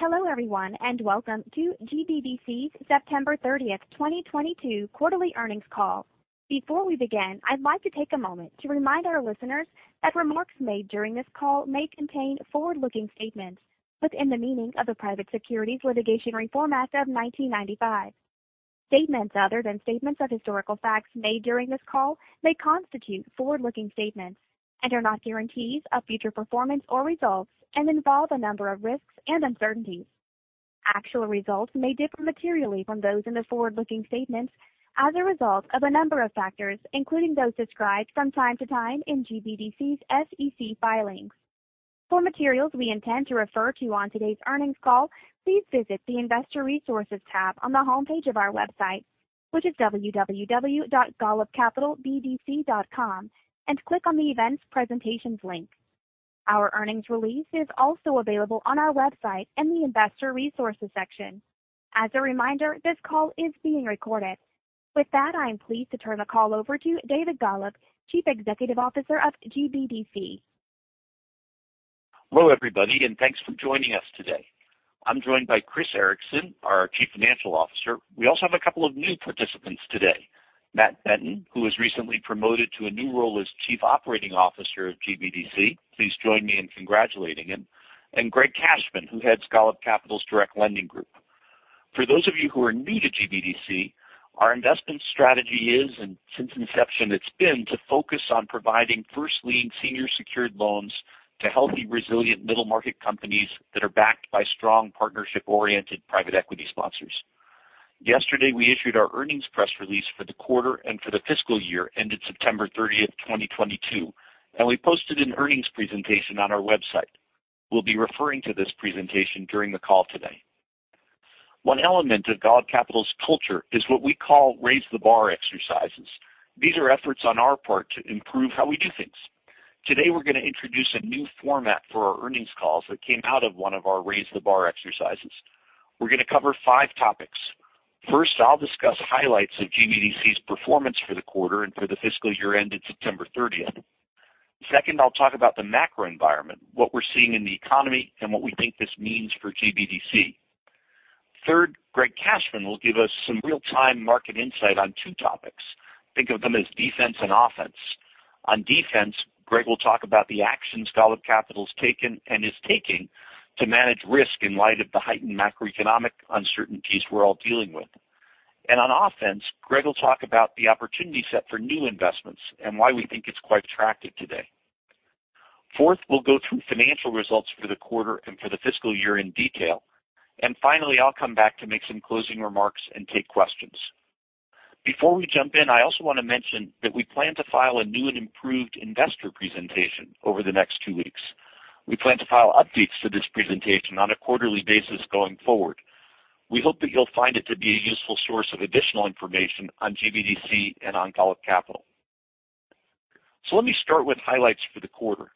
Hello everyone, and welcome to GBDC's September 30th, 2022 quarterly earnings call. Before we begin, I'd like to take a moment to remind our listeners that remarks made during this call may contain forward-looking statements within the meaning of the Private Securities Litigation Reform Act of 1995. Statements other than statements of historical facts made during this call may constitute forward-looking statements and are not guarantees of future performance or results and involve a number of risks and uncertainties. Actual results may differ materially from those in the forward-looking statements as a result of a number of factors, including those described from time to time in GBDC's SEC filings. For materials we intend to refer to on today's earnings call, please visit the Investor Resources tab on the homepage of our website, which is www.golubcapitalbdc.com, and click on the Events Presentations link. Our earnings release is also available on our website in the Investor Resources section. As a reminder, this call is being recorded. With that, I am pleased to turn the call over to David Golub, Chief Executive Officer of GBDC. Hello, everybody, and thanks for joining us today. I'm joined by Chris Ericson, our Chief Financial Officer. We also have a couple of new participants today. Matt Benton, who was recently promoted to a new role as Chief Operating Officer of GBDC. Please join me in congratulating him. Greg Cashman, who heads Golub Capital's direct lending group. For those of you who are new to GBDC, our investment strategy is, and since inception it's been, to focus on providing first lien senior secured loans to healthy, resilient middle market companies that are backed by strong partnership-oriented private equity sponsors. Yesterday, we issued our earnings press release for the quarter and for the fiscal year ended September 30, 2022, and we posted an earnings presentation on our website. We'll be referring to this presentation during the call today. One element of Golub Capital's culture is what we call raise the bar exercises. These are efforts on our part to improve how we do things. Today, we're gonna introduce a new format for our earnings calls that came out of one of our raise the bar exercises. We're gonna cover five topics. First, I'll discuss highlights of GBDC's performance for the quarter and for the fiscal year ended September thirtieth. Second, I'll talk about the macro environment, what we're seeing in the economy and what we think this means for GBDC. Third, Greg Cashman will give us some real-time market insight on two topics. Think of them as defense and offense. On defense, Greg will talk about the actions Golub Capital's taken and is taking to manage risk in light of the heightened macroeconomic uncertainties we're all dealing with. On offense, Greg will talk about the opportunity set for new investments and why we think it's quite attractive today. Fourth, we'll go through financial results for the quarter and for the fiscal year in detail. Finally, I'll come back to make some closing remarks and take questions. Before we jump in, I also wanna mention that we plan to file a new and improved investor presentation over the next two weeks. We plan to file updates to this presentation on a quarterly basis going forward. We hope that you'll find it to be a useful source of additional information on GBDC and on Golub Capital. Let me start with highlights for the quarter.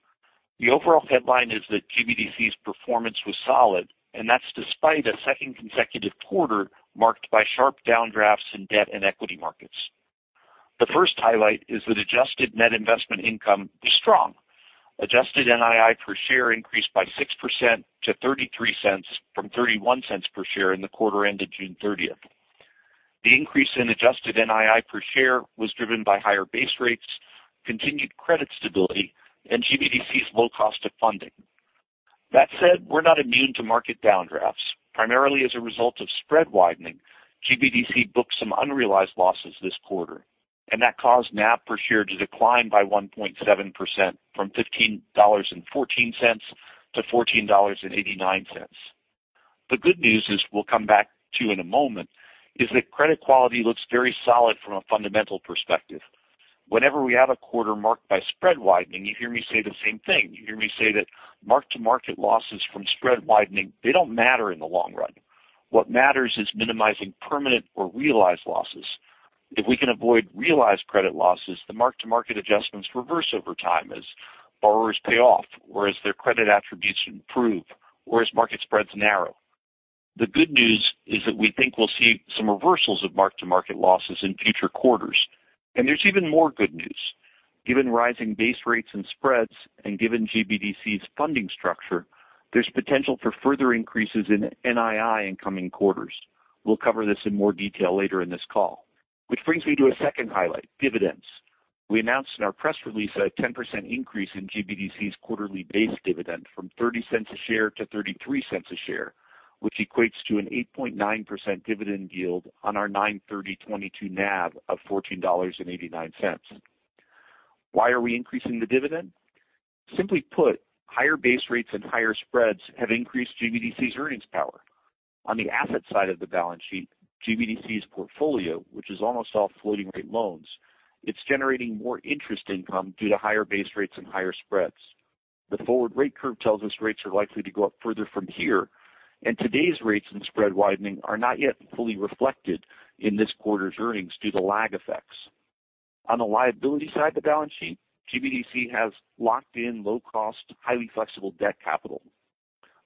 The overall headline is that GBDC's performance was solid, and that's despite a second consecutive quarter marked by sharp downdrafts in debt and equity markets. The first highlight is that adjusted net investment income was strong. Adjusted NII per share increased by 6% to $0.33 from $0.31 per share in the quarter ended June 30th. The increase in adjusted NII per share was driven by higher base rates, continued credit stability, and GBDC's low cost of funding. That said, we're not immune to market downdrafts. Primarily as a result of spread widening, GBDC booked some unrealized losses this quarter, and that caused NAV per share to decline by 1.7% from $15.14 to $14.89. The good news is we'll come back to in a moment, is that credit quality looks very solid from a fundamental perspective. Whenever we have a quarter marked by spread widening, you hear me say the same thing. You hear me say that mark-to-market losses from spread widening, they don't matter in the long run. What matters is minimizing permanent or realized losses. If we can avoid realized credit losses, the mark-to-market adjustments reverse over time as borrowers pay off or as their credit attributes improve or as market spreads narrow. The good news is that we think we'll see some reversals of mark-to-market losses in future quarters. There's even more good news. Given rising base rates and spreads, and given GBDC's funding structure, there's potential for further increases in NII in coming quarters. We'll cover this in more detail later in this call. Which brings me to a second highlight, dividends. We announced in our press release a 10% increase in GBDC's quarterly base dividend from $0.30 a share to $0.33 a share, which equates to an 8.9% dividend yield on our 9/30/2022 NAV of $14.89. Why are we increasing the dividend? Simply put, higher base rates and higher spreads have increased GBDC's earnings power. On the asset side of the balance sheet, GBDC's portfolio, which is almost all floating-rate loans, it's generating more interest income due to higher base rates and higher spreads. The forward rate curve tells us rates are likely to go up further from here. Today's rates and spread widening are not yet fully reflected in this quarter's earnings due to lag effects. On the liability side of the balance sheet, GBDC has locked in low-cost, highly flexible debt capital.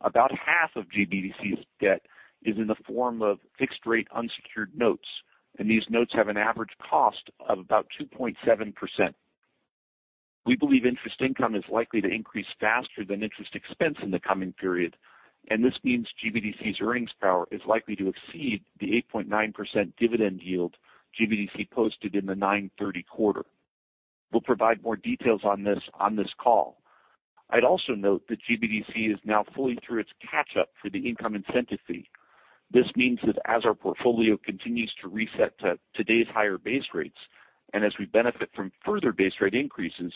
About half of GBDC's debt is in the form of fixed-rate unsecured notes. These notes have an average cost of about 2.7%. We believe interest income is likely to increase faster than interest expense in the coming period. This means GBDC's earnings power is likely to exceed the 8.9% dividend yield GBDC posted in the 9/30 quarter. We'll provide more details on this call. I'd also note that GBDC is now fully through its catch-up for the income incentive fee. This means that as our portfolio continues to reset to today's higher base rates, as we benefit from further base rate increases,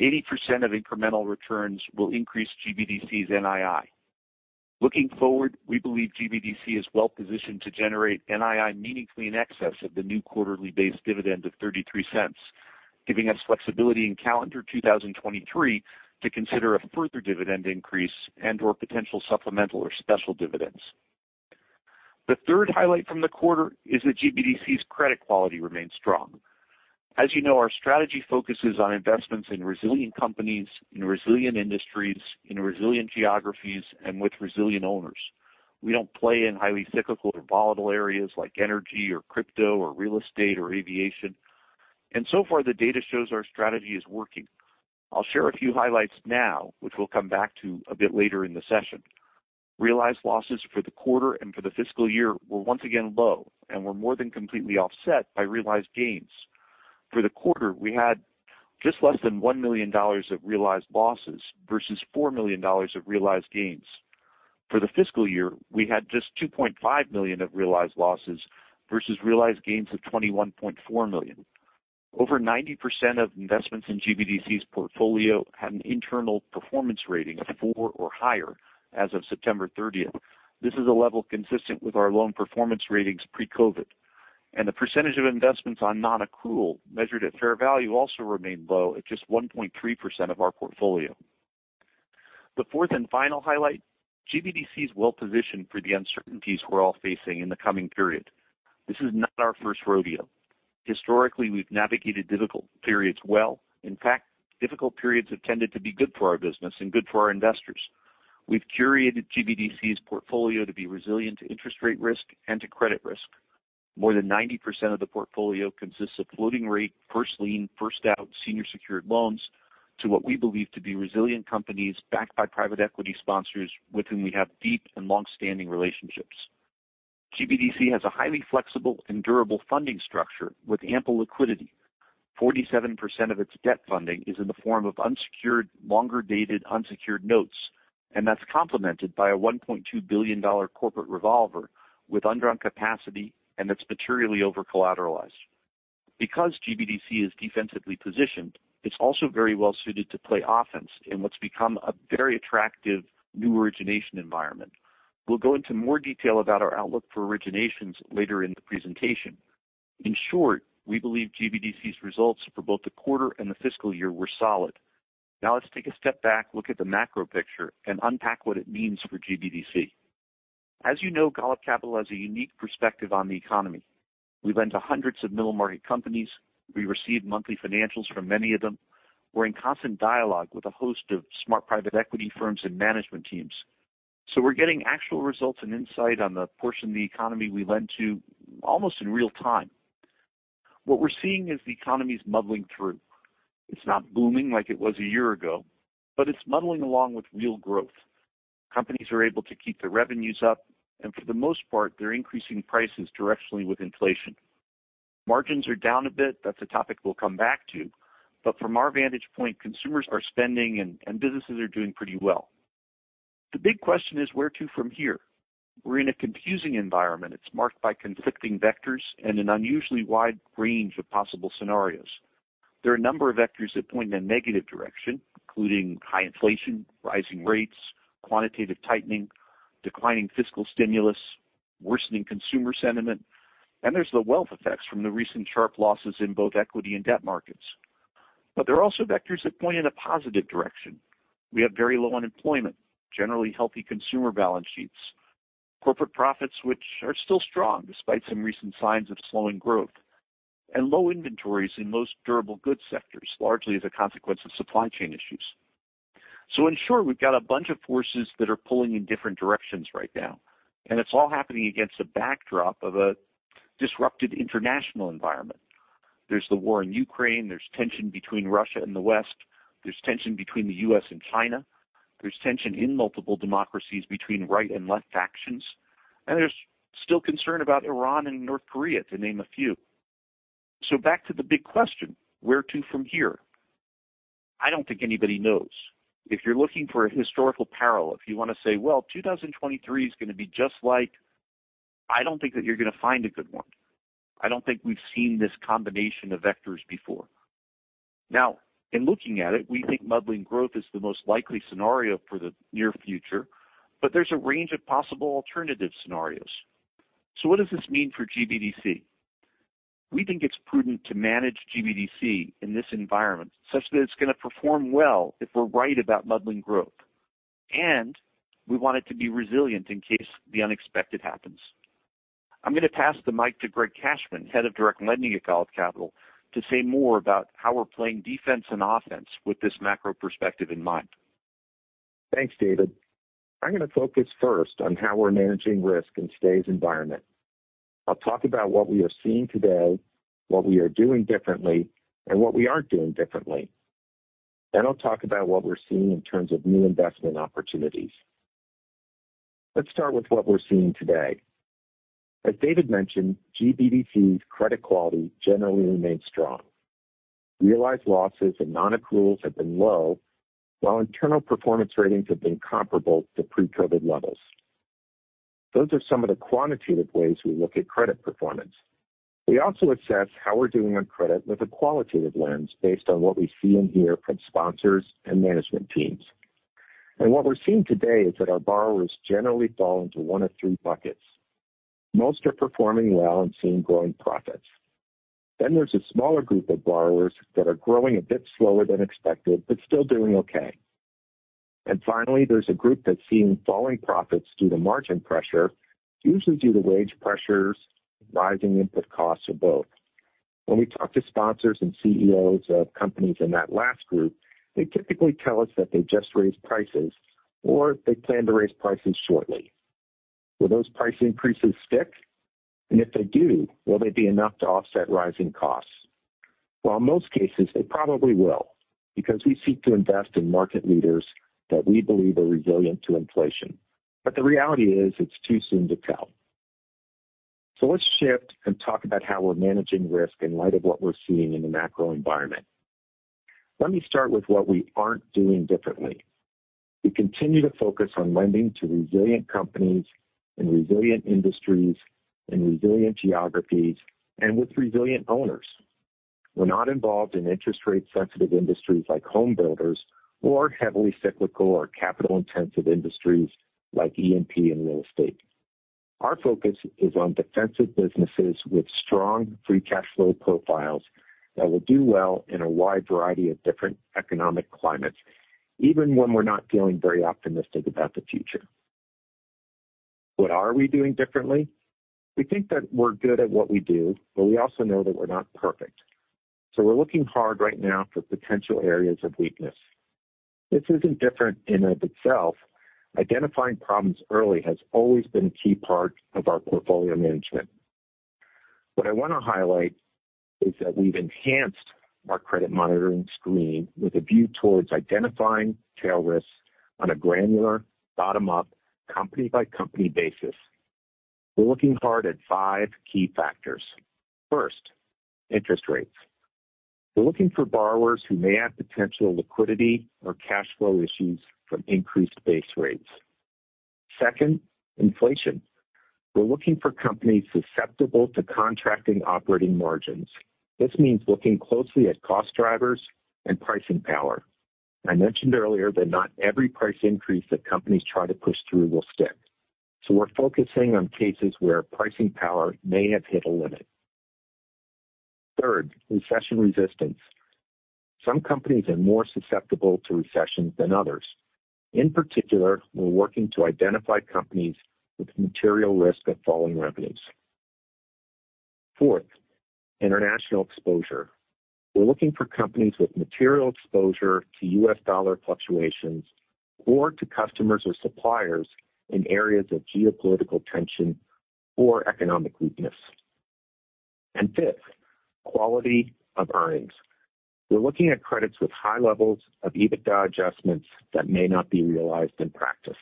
80% of incremental returns will increase GBDC's NII. Looking forward, we believe GBDC is well-positioned to generate NII meaningfully in excess of the new quarterly base dividend of $0.33, giving us flexibility in calendar 2023 to consider a further dividend increase and/or potential supplemental or special dividends. The third highlight from the quarter is that GBDC's credit quality remains strong. As you know, our strategy focuses on investments in resilient companies, in resilient industries, in resilient geographies, and with resilient owners. We don't play in highly cyclical or volatile areas like energy or crypto or real estate or aviation. So far, the data shows our strategy is working. I'll share a few highlights now, which we'll come back to a bit later in the session. Realized losses for the quarter and for the fiscal year were once again low and were more than completely offset by realized gains. For the quarter, we had just less than $1 million of realized losses versus $4 million of realized gains. For the fiscal year, we had just $2.5 million of realized losses versus realized gains of $21.4 million. Over 90% of investments in GBDC's portfolio had an internal performance rating of four or higher as of September 30th. This is a level consistent with our loan performance ratings pre-COVID. The percentage of investments on non-accrual measured at fair value also remained low at just 1.3% of our portfolio. The fourth and final highlight, GBDC is well-positioned for the uncertainties we're all facing in the coming period. This is not our first rodeo. Historically, we've navigated difficult periods well. In fact, difficult periods have tended to be good for our business and good for our investors. We've curated GBDC's portfolio to be resilient to interest rate risk and to credit risk. More than 90% of the portfolio consists of floating-rate, first-lien, first-out senior secured loans to what we believe to be resilient companies backed by private equity sponsors with whom we have deep and long-standing relationships. GBDC has a highly flexible and durable funding structure with ample liquidity. 47% of its debt funding is in the form of unsecured, longer-dated, unsecured notes, and that's complemented by a $1.2 billion corporate revolver with undrawn capacity and that's materially over-collateralized. Because GBDC is defensively positioned, it's also very well-suited to play offense in what's become a very attractive new origination environment. We'll go into more detail about our outlook for originations later in the presentation. In short, we believe GBDC's results for both the quarter and the fiscal year were solid. Let's take a step back, look at the macro picture, and unpack what it means for GBDC. As you know, Golub Capital has a unique perspective on the economy. We lend to hundreds of middle-market companies. We receive monthly financials from many of them. We're in constant dialogue with a host of smart private equity firms and management teams. We're getting actual results and insight on the portion of the economy we lend to almost in real time. What we're seeing is the economy's muddling through. It's not booming like it was 1 year ago, but it's muddling along with real growth. Companies are able to keep their revenues up, for the most part, they're increasing prices directionally with inflation. Margins are down a bit. That's a topic we'll come back to. From our vantage point, consumers are spending and businesses are doing pretty well. The big question is where to from here? We're in a confusing environment. It's marked by conflicting vectors and an unusually wide range of possible scenarios. There are a number of vectors that point in a negative direction, including high inflation, rising rates, quantitative tightening, declining fiscal stimulus, worsening consumer sentiment, and there's the wealth effects from the recent sharp losses in both equity and debt markets. There are also vectors that point in a positive direction. We have very low unemployment, generally healthy consumer balance sheets, corporate profits which are still strong despite some recent signs of slowing growth, and low inventories in most durable goods sectors, largely as a consequence of supply chain issues. In short, we've got a bunch of forces that are pulling in different directions right now, and it's all happening against a backdrop of a disrupted international environment. There's the war in Ukraine. There's tension between Russia and the West. There's tension between the U.S. and China. There's tension in multiple democracies between right and left factions. There's still concern about Iran and North Korea, to name a few. Back to the big question, where to from here? I don't think anybody knows. If you're looking for a historical parallel, if you want to say, well, 2023 is gonna be just like... I don't think that you're gonna find a good one. I don't think we've seen this combination of vectors before. Now, in looking at it, we think muddling growth is the most likely scenario for the near future, but there's a range of possible alternative scenarios. What does this mean for GBDC? We think it's prudent to manage GBDC in this environment such that it's gonna perform well if we're right about muddling growth, and we want it to be resilient in case the unexpected happens. I'm gonna pass the mic to Greg Cashman, Head of Direct Lending at Golub Capital, to say more about how we're playing defense and offense with this macro perspective in mind. Thanks, David. I'm gonna focus first on how we're managing risk in today's environment. I'll talk about what we are seeing today, what we are doing differently, and what we aren't doing differently. I'll talk about what we're seeing in terms of new investment opportunities. Let's start with what we're seeing today. As David mentioned, GBDC's credit quality generally remains strong. Realized losses and non-accruals have been low, while internal performance ratings have been comparable to pre-COVID levels. Those are some of the quantitative ways we look at credit performance. We also assess how we're doing on credit with a qualitative lens based on what we see and hear from sponsors and management teams. What we're seeing today is that our borrowers generally fall into one of three buckets. Most are performing well and seeing growing profits. There's a smaller group of borrowers that are growing a bit slower than expected, but still doing okay. Finally, there's a group that's seeing falling profits due to margin pressure, usually due to wage pressures, rising input costs, or both. When we talk to sponsors and CEOs of companies in that last group, they typically tell us that they just raised prices or they plan to raise prices shortly. Will those price increases stick? If they do, will they be enough to offset rising costs? Well, in most cases, they probably will because we seek to invest in market leaders that we believe are resilient to inflation. The reality is it's too soon to tell. Let's shift and talk about how we're managing risk in light of what we're seeing in the macro environment. Let me start with what we aren't doing differently. We continue to focus on lending to resilient companies and resilient industries and resilient geographies and with resilient owners. We're not involved in interest rate sensitive industries like home builders or heavily cyclical or capital-intensive industries like E&P and real estate. Our focus is on defensive businesses with strong free cash flow profiles that will do well in a wide variety of different economic climates, even when we're not feeling very optimistic about the future. What are we doing differently? We think that we're good at what we do, but we also know that we're not perfect. We're looking hard right now for potential areas of weakness. This isn't different in and of itself. Identifying problems early has always been a key part of our portfolio management. What I wanna highlight is that we've enhanced our credit monitoring screen with a view towards identifying tail risks on a granular, bottom-up, company-by-company basis. We're looking hard at five key factors. First, interest rates. We're looking for borrowers who may have potential liquidity or cash flow issues from increased base rates. Second, inflation. We're looking for companies susceptible to contracting operating margins. This means looking closely at cost drivers and pricing power. I mentioned earlier that not every price increase that companies try to push through will stick, so we're focusing on cases where pricing power may have hit a limit. Third, recession resistance. Some companies are more susceptible to recessions than others. In particular, we're working to identify companies with material risk of falling revenues. Fourth, international exposure. We're looking for companies with material exposure to U.S. dollar fluctuations or to customers or suppliers in areas of geopolitical tension or economic weakness. Fifth, quality of earnings. We're looking at credits with high levels of EBITDA adjustments that may not be realized in practice.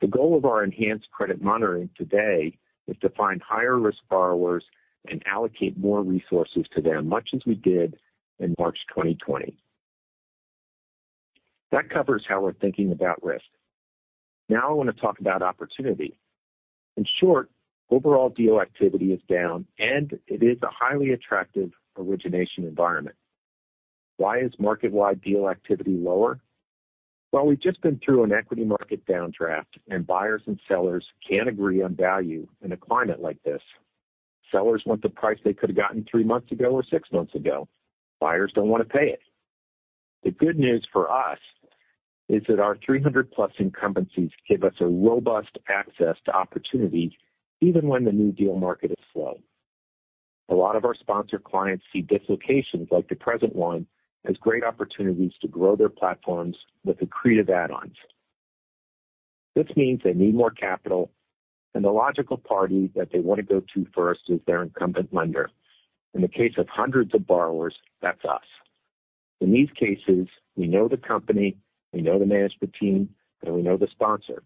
The goal of our enhanced credit monitoring today is to find higher-risk borrowers and allocate more resources to them, much as we did in March 2020. That covers how we're thinking about risk. I wanna talk about opportunity. In short, overall deal activity is down, and it is a highly attractive origination environment. Why is market-wide deal activity lower? We've just been through an equity market downdraft, and buyers and sellers can't agree on value in a climate like this. Sellers want the price they could have gotten three months ago or six months ago. Buyers don't wanna pay it. The good news for us is that our 300+ incumbencies give us a robust access to opportunities even when the new deal market is slow. A lot of our sponsor clients see dislocations like the present one as great opportunities to grow their platforms with accretive add-ons. This means they need more capital. The logical party that they want to go to first is their incumbent lender. In the case of hundreds of borrowers, that's us. In these cases, we know the company, we know the management team, and we know the sponsor.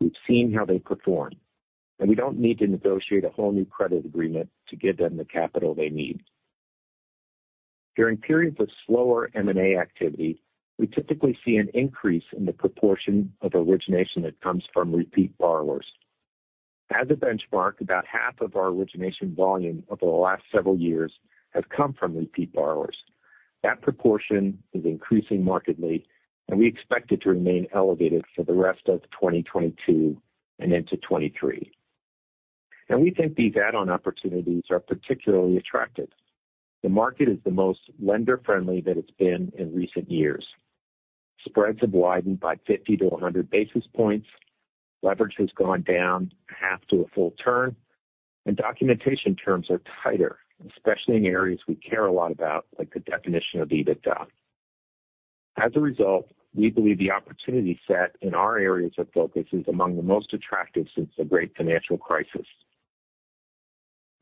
We've seen how they perform. We don't need to negotiate a whole new credit agreement to give them the capital they need. During periods of slower M&A activity, we typically see an increase in the proportion of origination that comes from repeat borrowers. As a benchmark, about half of our origination volume over the last several years has come from repeat borrowers. That proportion is increasing markedly, and we expect it to remain elevated for the rest of 2022 and into 2023. We think these add-on opportunities are particularly attractive. The market is the most lender-friendly that it's been in recent years. Spreads have widened by 50-100 basis points. Leverage has gone down 0.5-1 turn, and documentation terms are tighter, especially in areas we care a lot about, like the definition of EBITDA. As a result, we believe the opportunity set in our areas of focus is among the most attractive since the great financial crisis.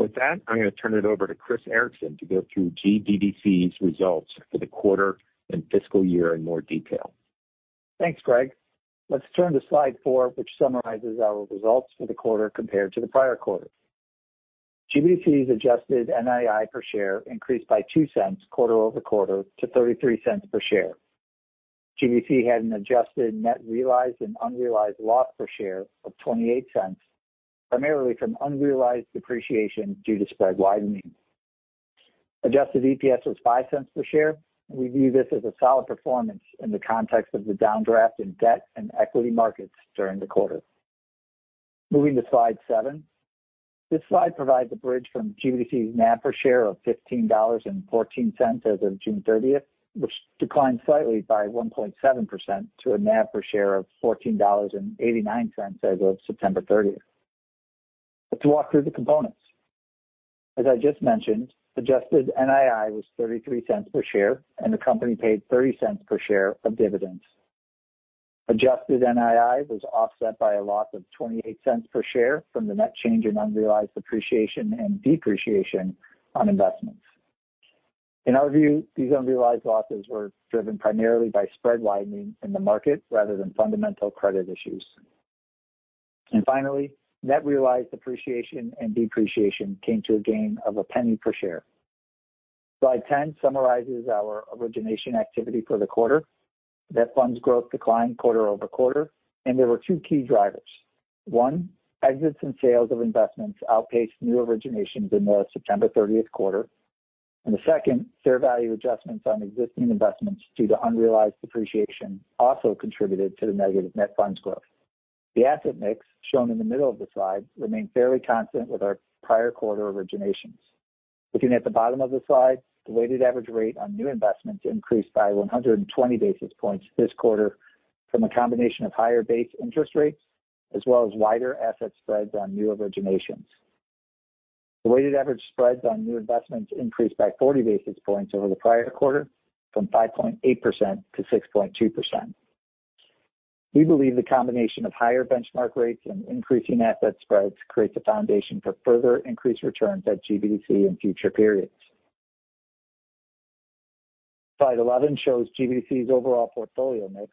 With that, I'm going to turn it over to Chris Ericson to go through GBDC's results for the quarter and fiscal year in more detail. Thanks, Greg. Let's turn to slide four, which summarizes our results for the quarter compared to the prior quarter. GBDC's adjusted NII per share increased by $0.02 quarter-over-quarter to $0.33 per share. GBDC had an adjusted net realized and unrealized loss per share of $0.28, primarily from unrealized depreciation due to spread widening. Adjusted EPS was $0.05 per share. We view this as a solid performance in the context of the downdraft in debt and equity markets during the quarter. Moving to slide seven. This slide provides a bridge from GBDC's NAV per share of $15.14 as of June 30th, which declined slightly by 1.7% to a NAV per share of $14.89 as of September 30th. Let's walk through the components. As I just mentioned, adjusted NII was $0.33 per share, and the company paid $0.30 per share of dividends. Adjusted NII was offset by a loss of $0.28 per share from the net change in unrealized appreciation and depreciation on investments. In our view, these unrealized losses were driven primarily by spread widening in the market rather than fundamental credit issues. Finally, net realized appreciation and depreciation came to a gain of $0.01 per share. Slide 10 summarizes our origination activity for the quarter. Net funds growth declined quarter-over-quarter, and there were two key drivers. One, exits and sales of investments outpaced new originations in the September 30th quarter. The second, fair value adjustments on existing investments due to unrealized depreciation also contributed to the negative net funds growth. The asset mix shown in the middle of the slide remained fairly constant with our prior quarter originations. Looking at the bottom of the slide, the weighted average rate on new investments increased by 120 basis points this quarter from a combination of higher base interest rates as well as wider asset spreads on new originations. The weighted average spreads on new investments increased by 40 basis points over the prior quarter from 5.8% to 6.2%. We believe the combination of higher benchmark rates and increasing asset spreads creates a foundation for further increased returns at GBDC in future periods. Slide 11 shows GBDC's overall portfolio mix.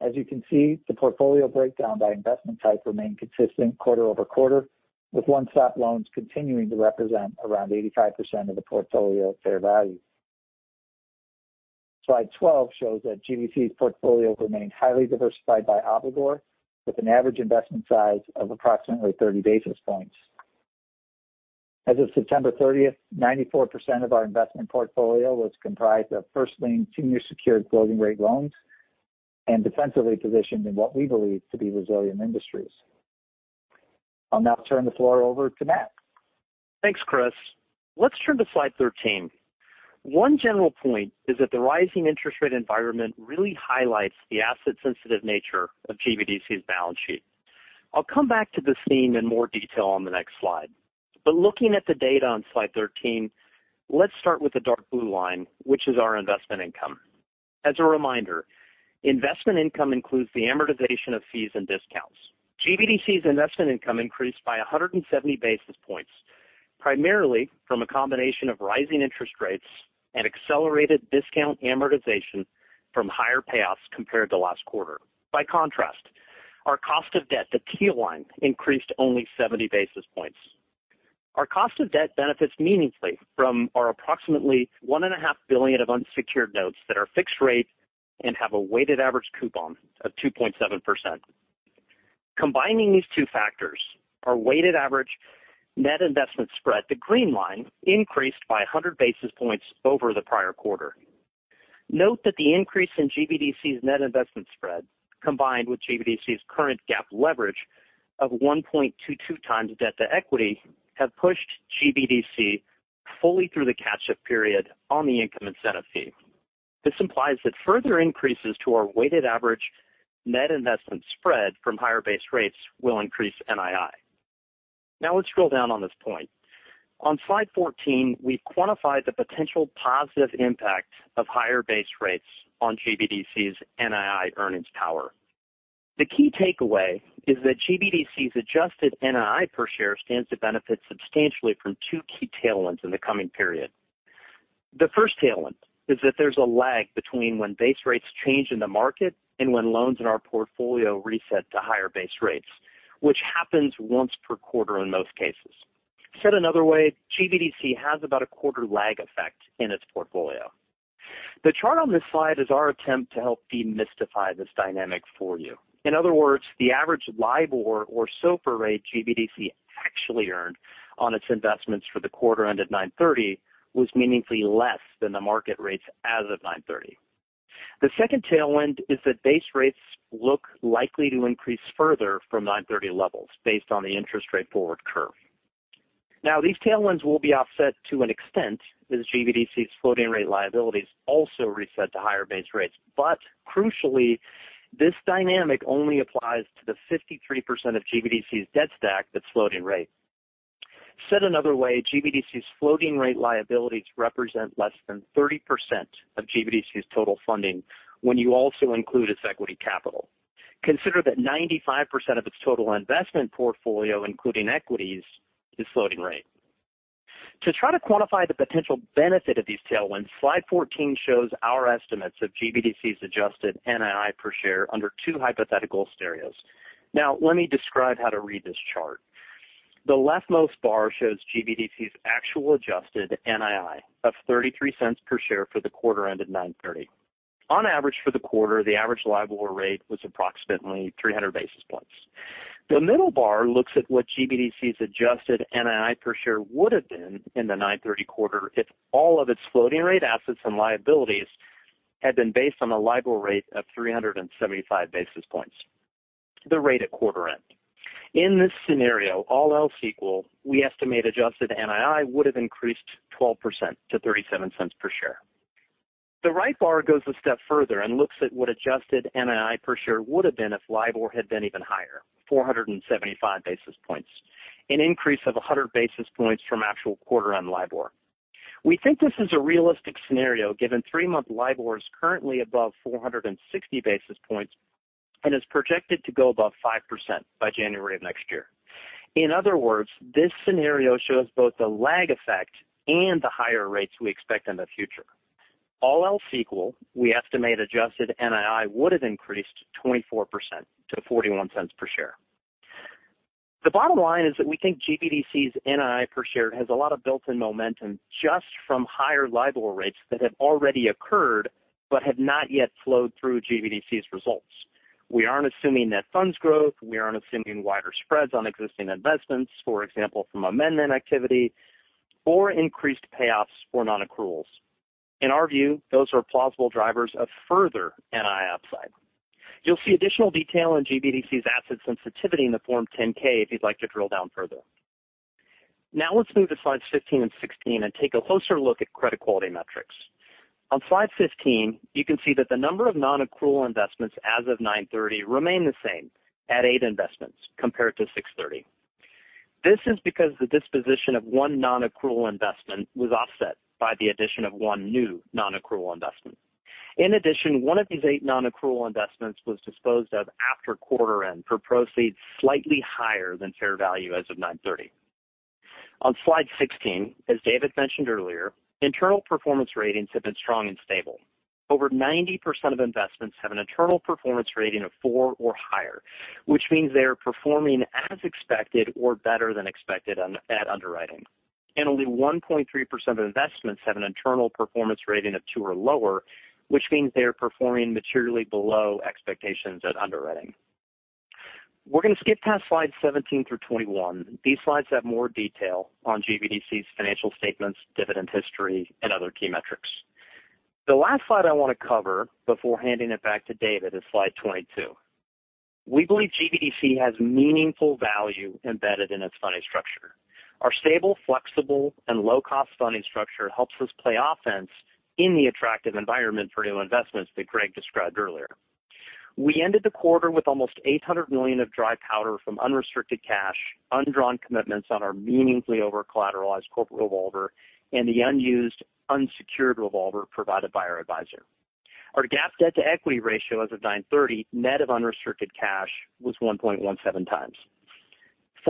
As you can see, the portfolio breakdown by investment type remained consistent quarter-over-quarter, with one-stop loans continuing to represent around 85% of the portfolio at fair value. Slide 12 shows that GBDC's portfolio remained highly diversified by obligor with an average investment size of approximately 30 basis points. As of September 30th, 94% of our investment portfolio was comprised of first lien senior secured floating rate loans and defensively positioned in what we believe to be resilient industries. I'll now turn the floor over to Matt. Thanks, Chris. Let's turn to slide 13. One general point is that the rising interest rate environment really highlights the asset sensitive nature of GBDC's balance sheet. I'll come back to this theme in more detail on the next slide. Looking at the data on slide 13, let's start with the dark blue line, which is our investment income. As a reminder, investment income includes the amortization of fees and discounts. GBDC's investment income increased by 170 basis points, primarily from a combination of rising interest rates and accelerated discount amortization from higher payoffs compared to last quarter. By contrast, our cost of debt, the teal line, increased only 70 basis points. Our cost of debt benefits meaningfully from our approximately $1.5 billion of unsecured notes that are fixed rate and have a weighted average coupon of 2.7%. Combining these two factors, our weighted average net investment spread, the green line, increased by 100 basis points over the prior quarter. Note that the increase in GBDC's net investment spread, combined with GBDC's current GAAP leverage of 1.22x debt to equity, have pushed GBDC fully through the catch-up period on the income incentive fee. This implies that further increases to our weighted average net investment spread from higher base rates will increase NII. Let's drill down on this point. On slide 14, we've quantified the potential positive impact of higher base rates on GBDC's NII earnings power. The key takeaway is that GBDC's adjusted NII per share stands to benefit substantially from two key tailwinds in the coming period. The first tailwind is that there's a lag between when base rates change in the market and when loans in our portfolio reset to higher base rates, which happens once per quarter in most cases. Said another way, GBDC has about a quarter lag effect in its portfolio. The chart on this slide is our attempt to help demystify this dynamic for you. In other words, the average LIBOR or SOFR rate GBDC actually earned on its investments for the quarter ended 9/30 was meaningfully less than the market rates as of 9/30. The second tailwind is that base rates look likely to increase further from 9/30 levels based on the interest rate forward curve. These tailwinds will be offset to an extent as GBDC's floating rate liabilities also reset to higher base rates. Crucially, this dynamic only applies to the 53% of GBDC's debt stack that's floating rate. Said another way, GBDC's floating rate liabilities represent less than 30% of GBDC's total funding when you also include its equity capital. Consider that 95% of its total investment portfolio, including equities, is floating rate. To try to quantify the potential benefit of these tailwinds, slide 14 shows our estimates of GBDC's adjusted NII per share under two hypothetical scenarios. Let me describe how to read this chart. The leftmost bar shows GBDC's actual adjusted NII of $0.33 per share for the quarter ended 9/30. On average for the quarter, the average LIBOR rate was approximately 300 basis points. The middle bar looks at what GBDC's adjusted NII per share would have been in the 9/30 quarter if all of its floating rate assets and liabilities had been based on a LIBOR rate of 375 basis points, the rate at quarter end. In this scenario, all else equal, we estimate adjusted NII would have increased 12% to $0.37 per share. The right bar goes a step further and looks at what adjusted NII per share would have been if LIBOR had been even higher, 475 basis points, an increase of 100 basis points from actual quarter on LIBOR. We think this is a realistic scenario given three-month LIBOR is currently above 460 basis points and is projected to go above 5% by January of next year. In other words, this scenario shows both the lag effect and the higher rates we expect in the future. All else equal, we estimate adjusted NII would have increased 24% to $0.41 per share. The bottom line is that we think GBDC's NII per share has a lot of built-in momentum just from higher LIBOR rates that have already occurred but have not yet flowed through GBDC's results. We aren't assuming net funds growth. We aren't assuming wider spreads on existing investments, for example, from amendment activity or increased payoffs for non-accruals. In our view, those are plausible drivers of further NII upside. You'll see additional detail in GBDC's asset sensitivity in the Form 10-K if you'd like to drill down further. Now let's move to slides 15 and 16 and take a closer look at credit quality metrics. On slide 15, you can see that the number of nonaccrual investments as of 9/30 remain the same at eight investments compared to 6/30. This is because the disposition of one nonaccrual investment was offset by the addition of one new nonaccrual investment. In addition, one of these eight nonaccrual investments was disposed of after quarter end for proceeds slightly higher than fair value as of 9/30. On slide 16, as David mentioned earlier, internal performance ratings have been strong and stable. Over 90% of investments have an internal performance rating of four or higher, which means they are performing as expected or better than expected at underwriting. Only 1.3% of investments have an internal performance rating of two or lower, which means they are performing materially below expectations at underwriting. We're going to skip past slides 17 through 21. These slides have more detail on GBDC's financial statements, dividend history and other key metrics. The last slide I want to cover before handing it back to David is slide 22. We believe GBDC has meaningful value embedded in its funding structure. Our stable, flexible and low-cost funding structure helps us play offense in the attractive environment for new investments that Greg described earlier. We ended the quarter with almost $800 million of dry powder from unrestricted cash, undrawn commitments on our meaningfully over collateralized corporate revolver, and the unused unsecured revolver provided by our advisor. Our GAAP debt to equity ratio as of 9/30, net of unrestricted cash was 1.17 times.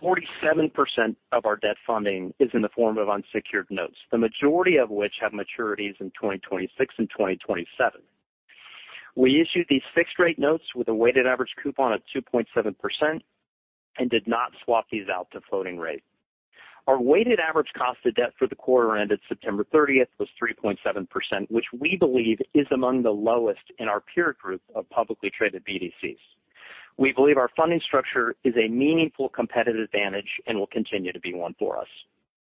47% of our debt funding is in the form of unsecured notes, the majority of which have maturities in 2026 and 2027. We issued these fixed rate notes with a weighted average coupon of 2.7% and did not swap these out to floating rate. Our weighted average cost of debt for the quarter ended September 30th was 3.7%, which we believe is among the lowest in our peer group of publicly traded BDCs. We believe our funding structure is a meaningful competitive advantage and will continue to be one for us.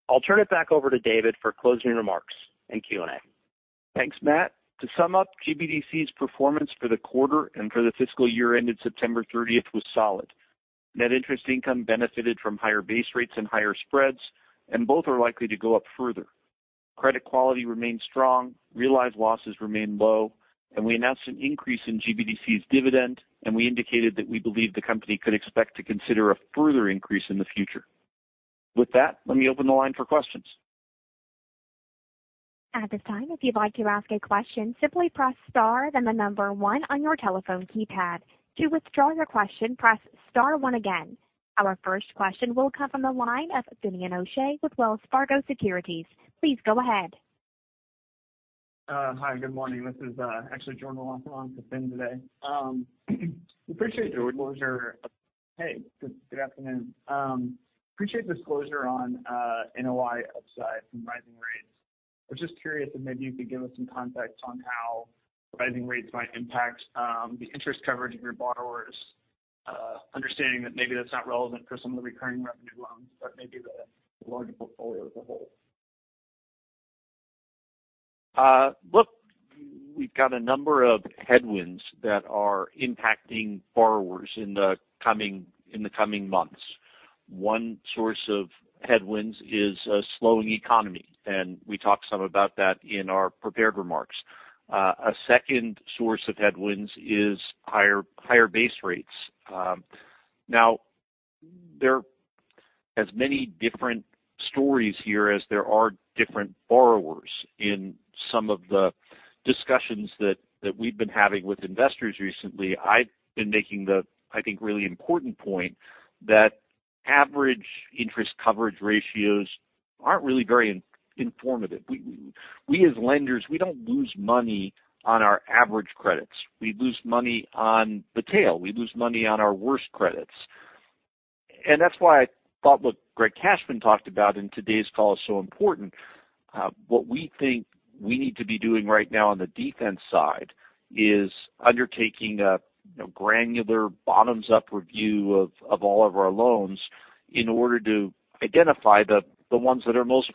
I'll turn it back over to David for closing remarks and Q&A. Thanks, Matt. To sum up, GBDC's performance for the quarter and for the fiscal year ended September 30th was solid. Net interest income benefited from higher base rates and higher spreads. Both are likely to go up further. Credit quality remains strong, realized losses remain low. We announced an increase in GBDC's dividend, and we indicated that we believe the company could expect to consider a further increase in the future. With that, let me open the line for questions. At this time, if you'd like to ask a question, simply press star then the number one on your telephone keypad. To withdraw your question, press star one again. Our first question will come from the line of Finian O'Shea with Wells Fargo Securities. Please go ahead. Hi, good morning. This is actually Jordan Wathen on for Fin today. Appreciate your disclosure. Hey, good afternoon. Appreciate disclosure on NOI upside from rising rates. I was just curious if maybe you could give us some context on how rising rates might impact the interest coverage of your borrowers, understanding that maybe that's not relevant for some of the recurring revenue loans, but maybe the larger portfolio as a whole. Look, we've got a number of headwinds that are impacting borrowers in the coming months. One source of headwinds is a slowing economy, we talked some about that in our prepared remarks. A second source of headwinds is higher base rates. Now there as many different stories here as there are different borrowers. In some of the discussions that we've been having with investors recently, I've been making the, I think, really important point that average interest coverage ratios aren't really very in-informative. We as lenders, we don't lose money on our average credits. We lose money on the tail. We lose money on our worst credits. That's why I thought what Greg Cashman talked about in today's call is so important. What we think we need to be doing right now on the defense side is undertaking a, you know, granular bottoms-up review of all of our loans in order to identify the ones that are most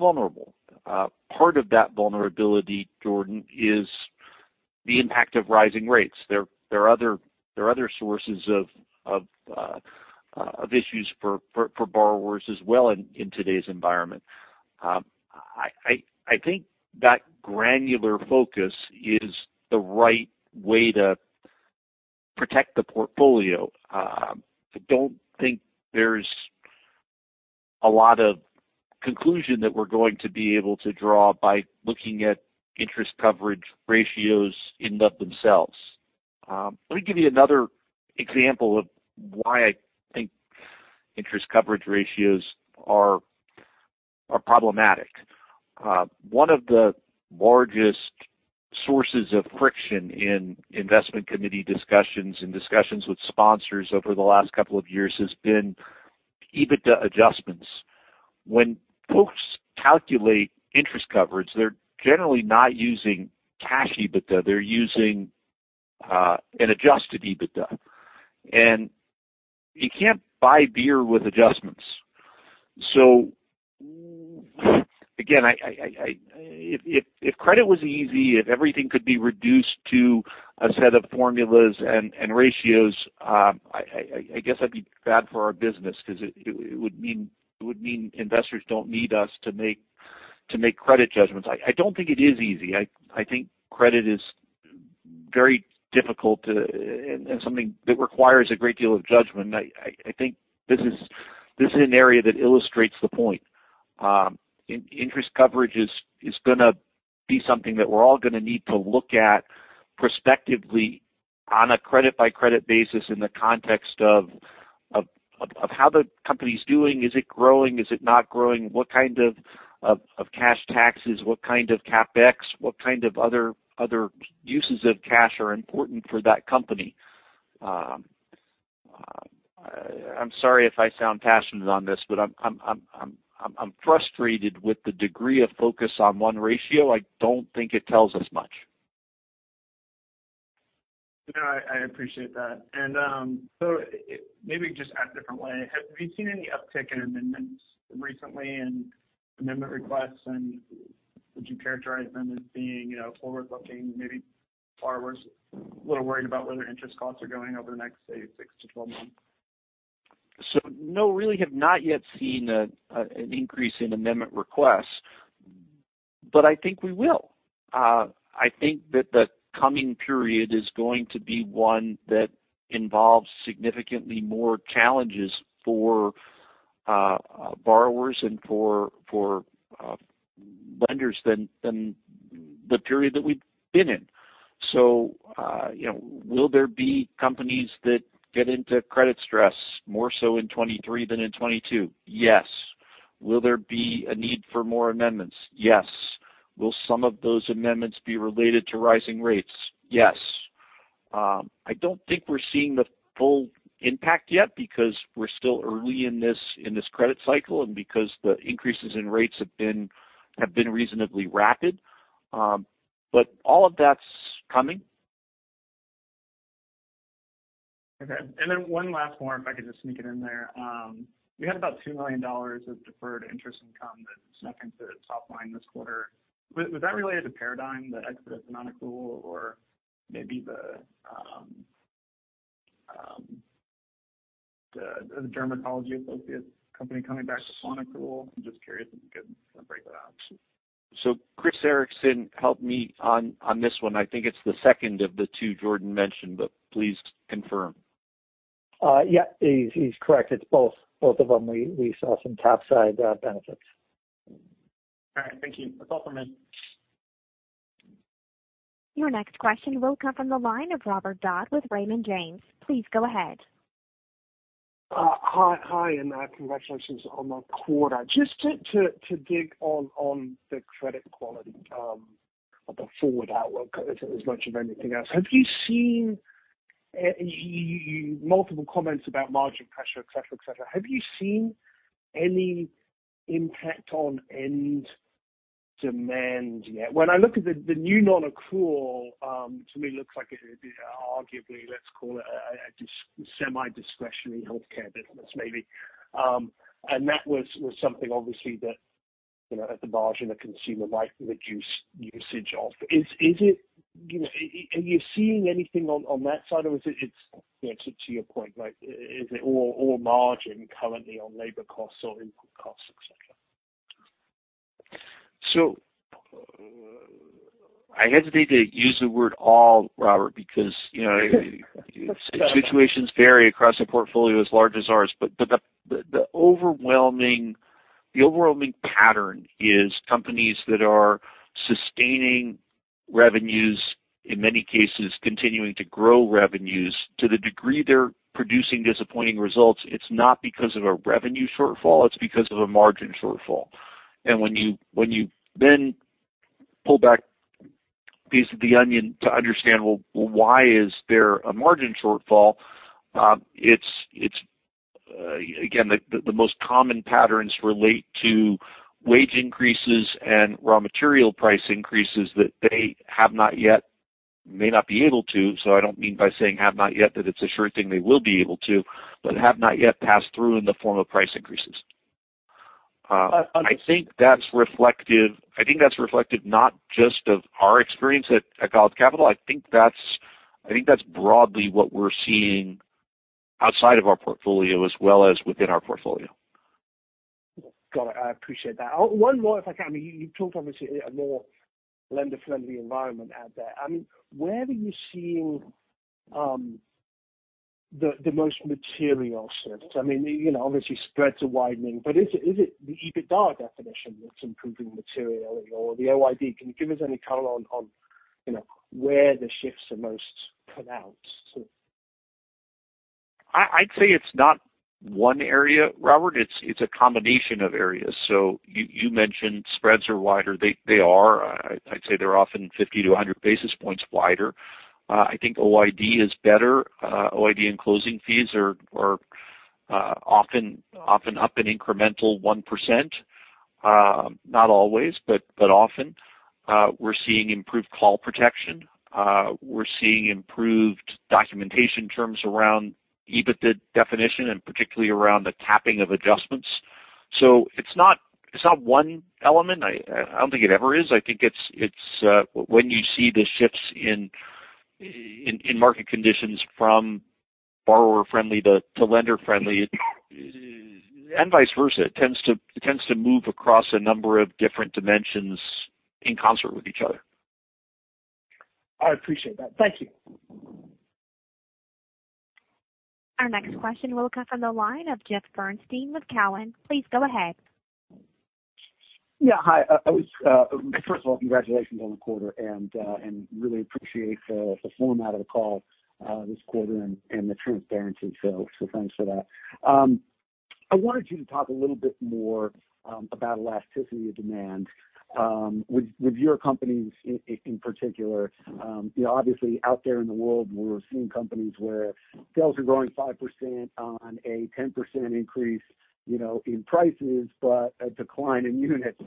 vulnerable. Part of that vulnerability, Jordan, is the impact of rising rates. There are other sources of issues for borrowers as well in today's environment. I think that granular focus is the right way to protect the portfolio. I don't think there's a lot of conclusion that we're going to be able to draw by looking at interest coverage ratios in and of themselves. Let me give you another example of why I think interest coverage ratios are problematic. One of the largest sources of friction in investment committee discussions and discussions with sponsors over the last couple of years has been EBITDA adjustments. When folks calculate interest coverage, they're generally not using cash EBITDA, they're using an adjusted EBITDA. You can't buy beer with adjustments. Again, I, if credit was easy, if everything could be reduced to a set of formulas and ratios, I, I guess that'd be bad for our business because it would mean investors don't need us to make credit judgments. I don't think it is easy. I think credit is very difficult and something that requires a great deal of judgment. I think this is an area that illustrates the point. Interest coverage is gonna be something that we're all gonna need to look at prospectively on a credit-by-credit basis in the context of how the company's doing. Is it growing? Is it not growing? What kind of cash taxes? What kind of CapEx? What kind of other uses of cash are important for that company? I'm sorry if I sound passionate on this, but I'm frustrated with the degree of focus on one ratio. I don't think it tells us much. No, I appreciate that. Maybe just ask a different way. Have you seen any uptick in amendments recently and amendment requests, and would you characterize them as being, you know, forward-looking, maybe borrowers a little worried about where their interest costs are going over the next, say, six to 12 months? No, really have not yet seen an increase in amendment requests, but I think we will. I think that the coming period is going to be one that involves significantly more challenges for borrowers and for lenders than the period that we've been in. You know, will there be companies that get into credit stress more so in 2023 than in 2022? Yes. Will there be a need for more amendments? Yes. Will some of those amendments be related to rising rates? Yes. I don't think we're seeing the full impact yet because we're still early in this credit cycle and because the increases in rates have been reasonably rapid. All of that's coming. Okay. One last one, if I could just sneak it in there. You had about $2 million of deferred interest income that snuck into the top line this quarter. Was that related to Paradigm, the exit of non-accrual or maybe the dermatology associated company coming back to non-accrual? I'm just curious if you could kinda break that out. Chris Ericson, help me on this one. I think it's the second of the two Jordan mentioned, but please confirm. Yeah. He's correct. It's both of them. We saw some top side benefits. All right. Thank you. That's all for me. Your next question will come from the line of Robert Dodd with Raymond James. Please go ahead. Hi. Hi, and congratulations on the quarter. Just to dig on the credit quality of the forward outlook as much of anything else. Have you seen multiple comments about margin pressure, et cetera, et cetera. Have you seen any impact on end demand yet? When I look at the new non-accrual, to me, looks like it, arguably, let's call it a semi-discretionary healthcare business, maybe. And that was something obviously that You know, at the margin, a consumer might reduce usage of. Is it You know, are you seeing anything on that side? Is it, you know, to your point, like, is it all margin currently on labor costs or input costs, et cetera? I hesitate to use the word all, Robert, because, you know, situations vary across a portfolio as large as ours. The overwhelming pattern is companies that are sustaining revenues, in many cases continuing to grow revenues to the degree they're producing disappointing results. It's not because of a revenue shortfall, it's because of a margin shortfall. When you pull back piece of the onion to understand, well, why is there a margin shortfall? It's, again, the most common patterns relate to wage increases and raw material price increases that they have not yet, may not be able to. I don't mean by saying have not yet that it's a sure thing they will be able to, but have not yet passed through in the form of price increases. I think that's reflective not just of our experience at Golub Capital. I think that's broadly what we're seeing outside of our portfolio as well as within our portfolio. Got it. I appreciate that. One more, if I can. I mean, you talked obviously a more lender-friendly environment out there. I mean, where are you seeing the most material shifts? I mean, you know, obviously spreads are widening, but is it the EBITDA definition that's improving materially or the OID? Can you give us any color on, you know, where the shifts are most pronounced? I'd say it's not one area, Robert. It's a combination of areas. You mentioned spreads are wider. They are. I'd say they're often 50-100 basis points wider. I think OID is better. OID and closing fees are often up an incremental 1%. Not always, but often. We're seeing improved call protection. We're seeing improved documentation terms around EBITDA definition and particularly around the capping of adjustments. It's not one element. I don't think it ever is. I think it's when you see the shifts in market conditions from borrower-friendly to lender-friendly, and vice versa. It tends to move across a number of different dimensions in concert with each other. I appreciate that. Thank you. Our next question will come from the line of Jeff Bernstein with Cowen. Please go ahead. Yeah. Hi. I was First of all, congratulations on the quarter and really appreciate the format of the call this quarter and the transparency. Thanks for that. I wanted you to talk a little bit more about elasticity of demand with your companies in particular. You know, obviously out there in the world we're seeing companies where sales are growing 5% on a 10% increase, you know, in prices, but a decline in units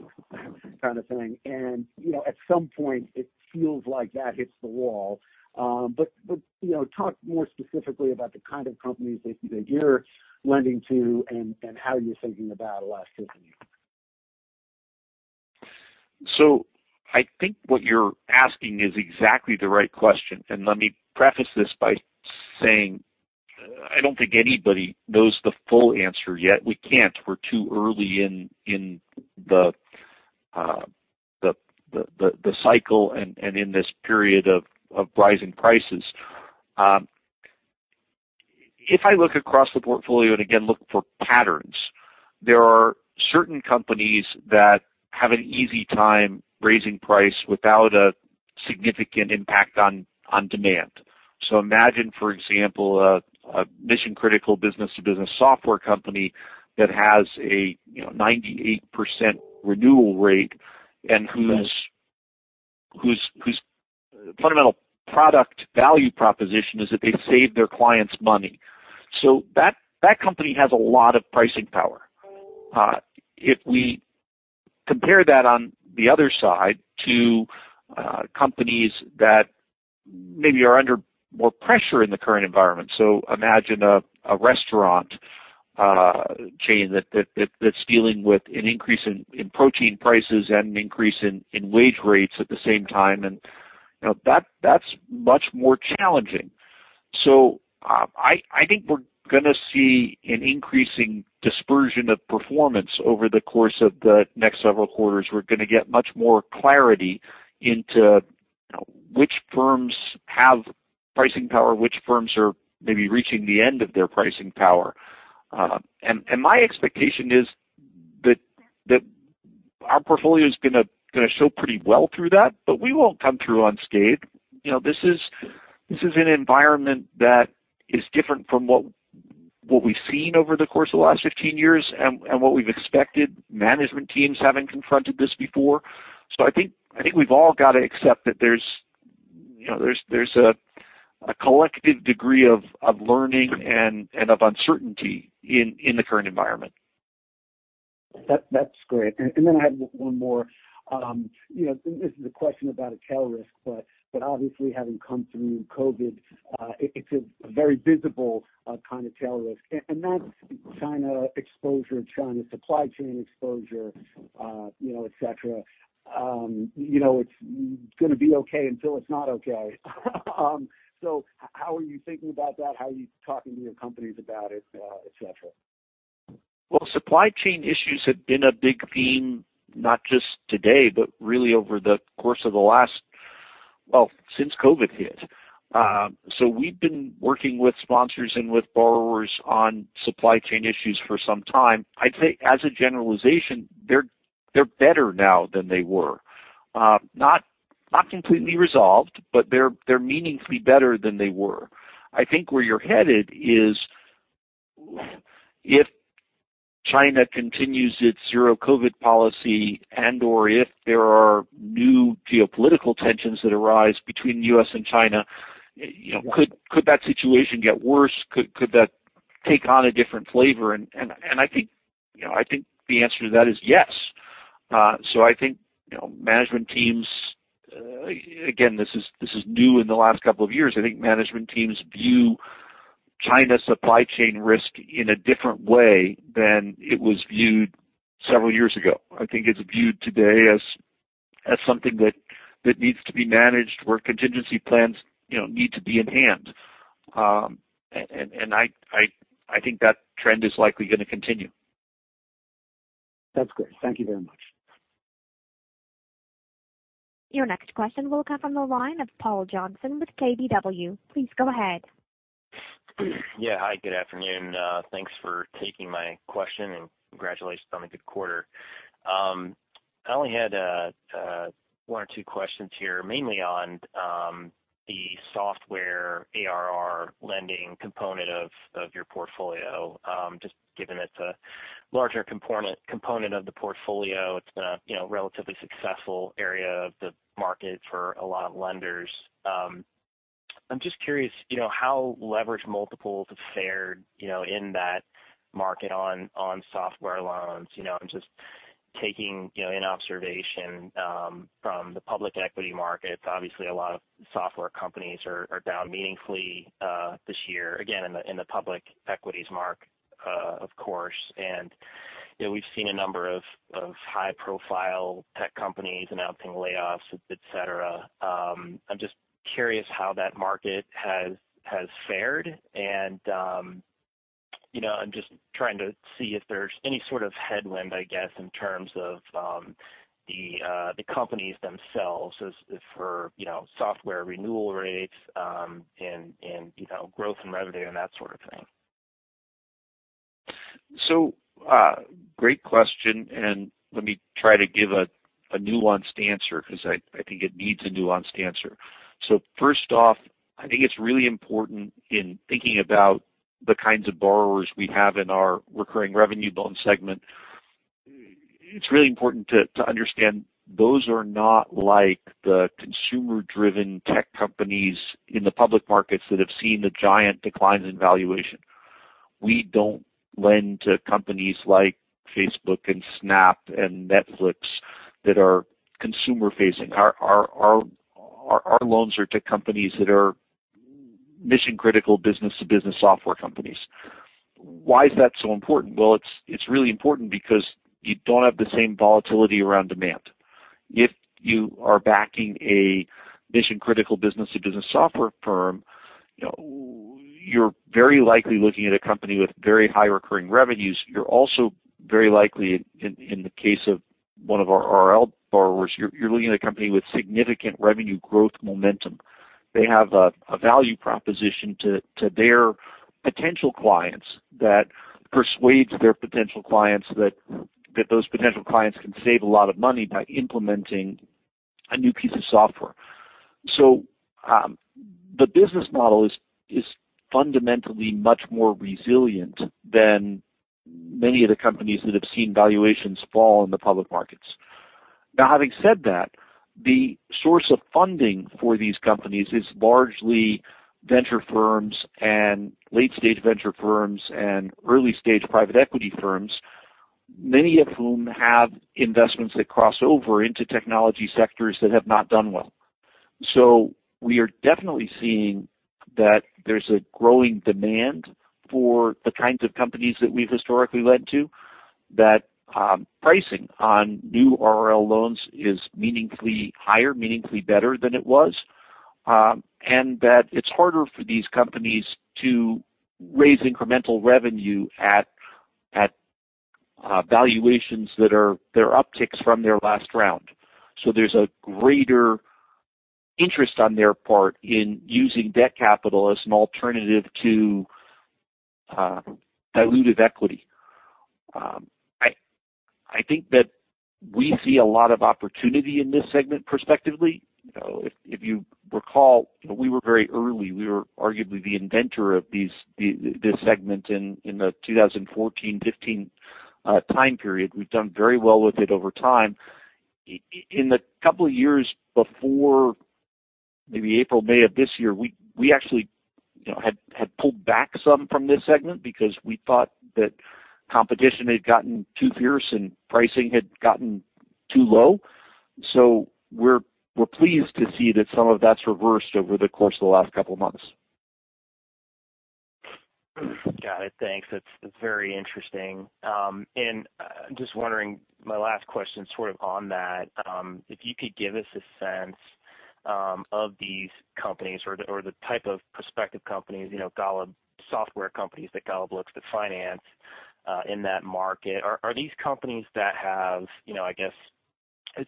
kind of thing. You know, at some point it feels like that hits the wall. You know, talk more specifically about the kind of companies that you're lending to and how you're thinking about elasticity. I think what you're asking is exactly the right question. Let me preface this by saying I don't think anybody knows the full answer yet. We can't. We're too early in the cycle and in this period of rising prices. If I look across the portfolio and again look for patterns, there are certain companies that have an easy time raising price without a significant impact on demand. Imagine, for example, a mission-critical business-to-business software company that has a, you know, 98% renewal rate and whose fundamental product value proposition is that they save their clients money. That company has a lot of pricing power. If we compare that on the other side to companies that maybe are under more pressure in the current environment. Imagine a restaurant chain that's dealing with an increase in protein prices and an increase in wage rates at the same time. You know, that's much more challenging. I think we're gonna see an increasing dispersion of performance over the course of the next several quarters. We're gonna get much more clarity into which firms have pricing power, which firms are maybe reaching the end of their pricing power. And my expectation is that our portfolio is gonna show pretty well through that, but we won't come through unscathed. You know, this is an environment that is different from what we've seen over the course of the last 15 years and what we've expected. Management teams haven't confronted this before. I think we've all got to accept that there's, you know, there's a collective degree of learning and of uncertainty in the current environment. That's great. Then I have one more. You know, this is a question about a tail risk, but obviously having come through COVID, it's a very visible kind of tail risk. That's China exposure, China supply chain exposure, you know, et cetera. You know, it's gonna be okay until it's not okay. How are you thinking about that? How are you talking to your companies about it, et cetera? Supply chain issues have been a big theme, not just today, but really over the course of the last... Well, since COVID hit. We've been working with sponsors and with borrowers on supply chain issues for some time. I'd say as a generalization, they're better now than they were. Not completely resolved, but they're meaningfully better than they were. I think where you're headed is if China continues its zero COVID policy and/or if there are new geopolitical tensions that arise between U.S. and China, you know, could that situation get worse? Could that take on a different flavor? I think, you know, I think the answer to that is yes. I think, you know, management teams, again, this is new in the last couple of years. I think management teams view China supply chain risk in a different way than it was viewed several years ago. I think it's viewed today as something that needs to be managed, where contingency plans, you know, need to be in hand. I think that trend is likely gonna continue. That's great. Thank you very much. Your next question will come from the line of Paul Johnson with KBW. Please go ahead. Yeah. Hi, good afternoon. Thanks for taking my question, and congratulations on a good quarter. I only had one or two questions here, mainly on the software ARR lending component of your portfolio, just given it's a larger component of the portfolio. It's been a, you know, relatively successful area of the market for a lot of lenders. I'm just curious, you know, how leverage multiples have fared, you know, in that market on software loans. You know, I'm just taking, you know, an observation from the public equity markets. Obviously, a lot of software companies are down meaningfully this year, again, in the public equities mark, of course. You know, we've seen a number of high-profile tech companies announcing layoffs, et cetera. I'm just curious how that market has fared. You know, I'm just trying to see if there's any sort of headwind, I guess, in terms of the companies themselves as for, you know, software renewal rates, and, you know, growth and revenue and that sort of thing. Great question, and let me try to give a nuanced answer 'cause I think it needs a nuanced answer. First off, I think it's really important in thinking about the kinds of borrowers we have in our recurring revenue loan segment. It's really important to understand those are not like the consumer-driven tech companies in the public markets that have seen the giant declines in valuation. We don't lend to companies like Facebook and Snap and Netflix that are consumer-facing. Our loans are to companies that are mission-critical business-to-business software companies. Why is that so important? It's really important because you don't have the same volatility around demand. If you are backing a mission-critical business-to-business software firm, you know, you're very likely looking at a company with very high recurring revenues. You're also very likely in the case of one of our RL borrowers, you're looking at a company with significant revenue growth momentum. They have a value proposition to their potential clients that persuades their potential clients that those potential clients can save a lot of money by implementing a new piece of software. The business model is fundamentally much more resilient than many of the companies that have seen valuations fall in the public markets. Now, having said that, the source of funding for these companies is largely venture firms and late-stage venture firms and early-stage private equity firms, many of whom have investments that cross over into technology sectors that have not done well. We are definitely seeing that there's a growing demand for the kinds of companies that we've historically lent to, that pricing on new RL loans is meaningfully higher, meaningfully better than it was, and that it's harder for these companies to raise incremental revenue at valuations that are their upticks from their last round. There's a greater interest on their part in using debt capital as an alternative to dilutive equity. I think that we see a lot of opportunity in this segment prospectively. You know, if you recall, we were very early. We were arguably the inventor of this segment in the 2014-2015 time period. We've done very well with it over time. In the couple of years before. Maybe April, May of this year, we actually, you know, had pulled back some from this segment because we thought that competition had gotten too fierce and pricing had gotten too low. We're pleased to see that some of that's reversed over the course of the last couple of months. Got it. Thanks. That's very interesting. Just wondering, my last question sort of on that, if you could give us a sense of these companies or the, or the type of prospective companies, you know, Golub software companies that Golub looks to finance in that market. Are these companies that have, you know, I guess,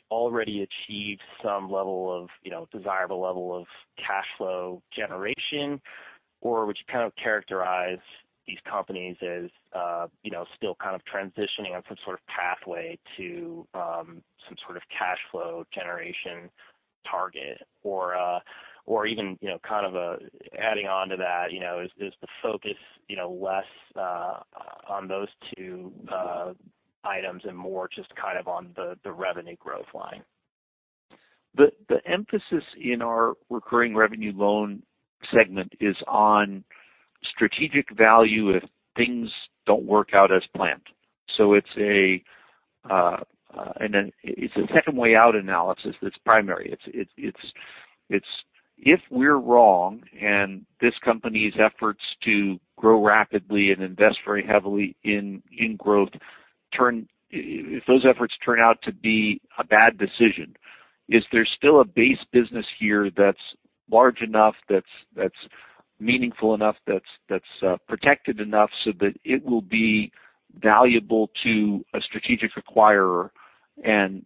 already achieved some level of, you know, desirable level of cash flow generation? Or would you kind of characterize these companies as, you know, still kind of transitioning on some sort of pathway to some sort of cash flow generation target? Or even, you know, kind of adding on to that, you know, is the focus, you know, less on those two items and more just kind of on the revenue growth line? The emphasis in our recurring revenue loan segment is on strategic value if things don't work out as planned. It's a second way out analysis that's primary. It's, If we're wrong, and this company's efforts to grow rapidly and invest very heavily in growth, if those efforts turn out to be a bad decision, is there still a base business here that's large enough, that's meaningful enough, that's protected enough so that it will be valuable to a strategic acquirer, and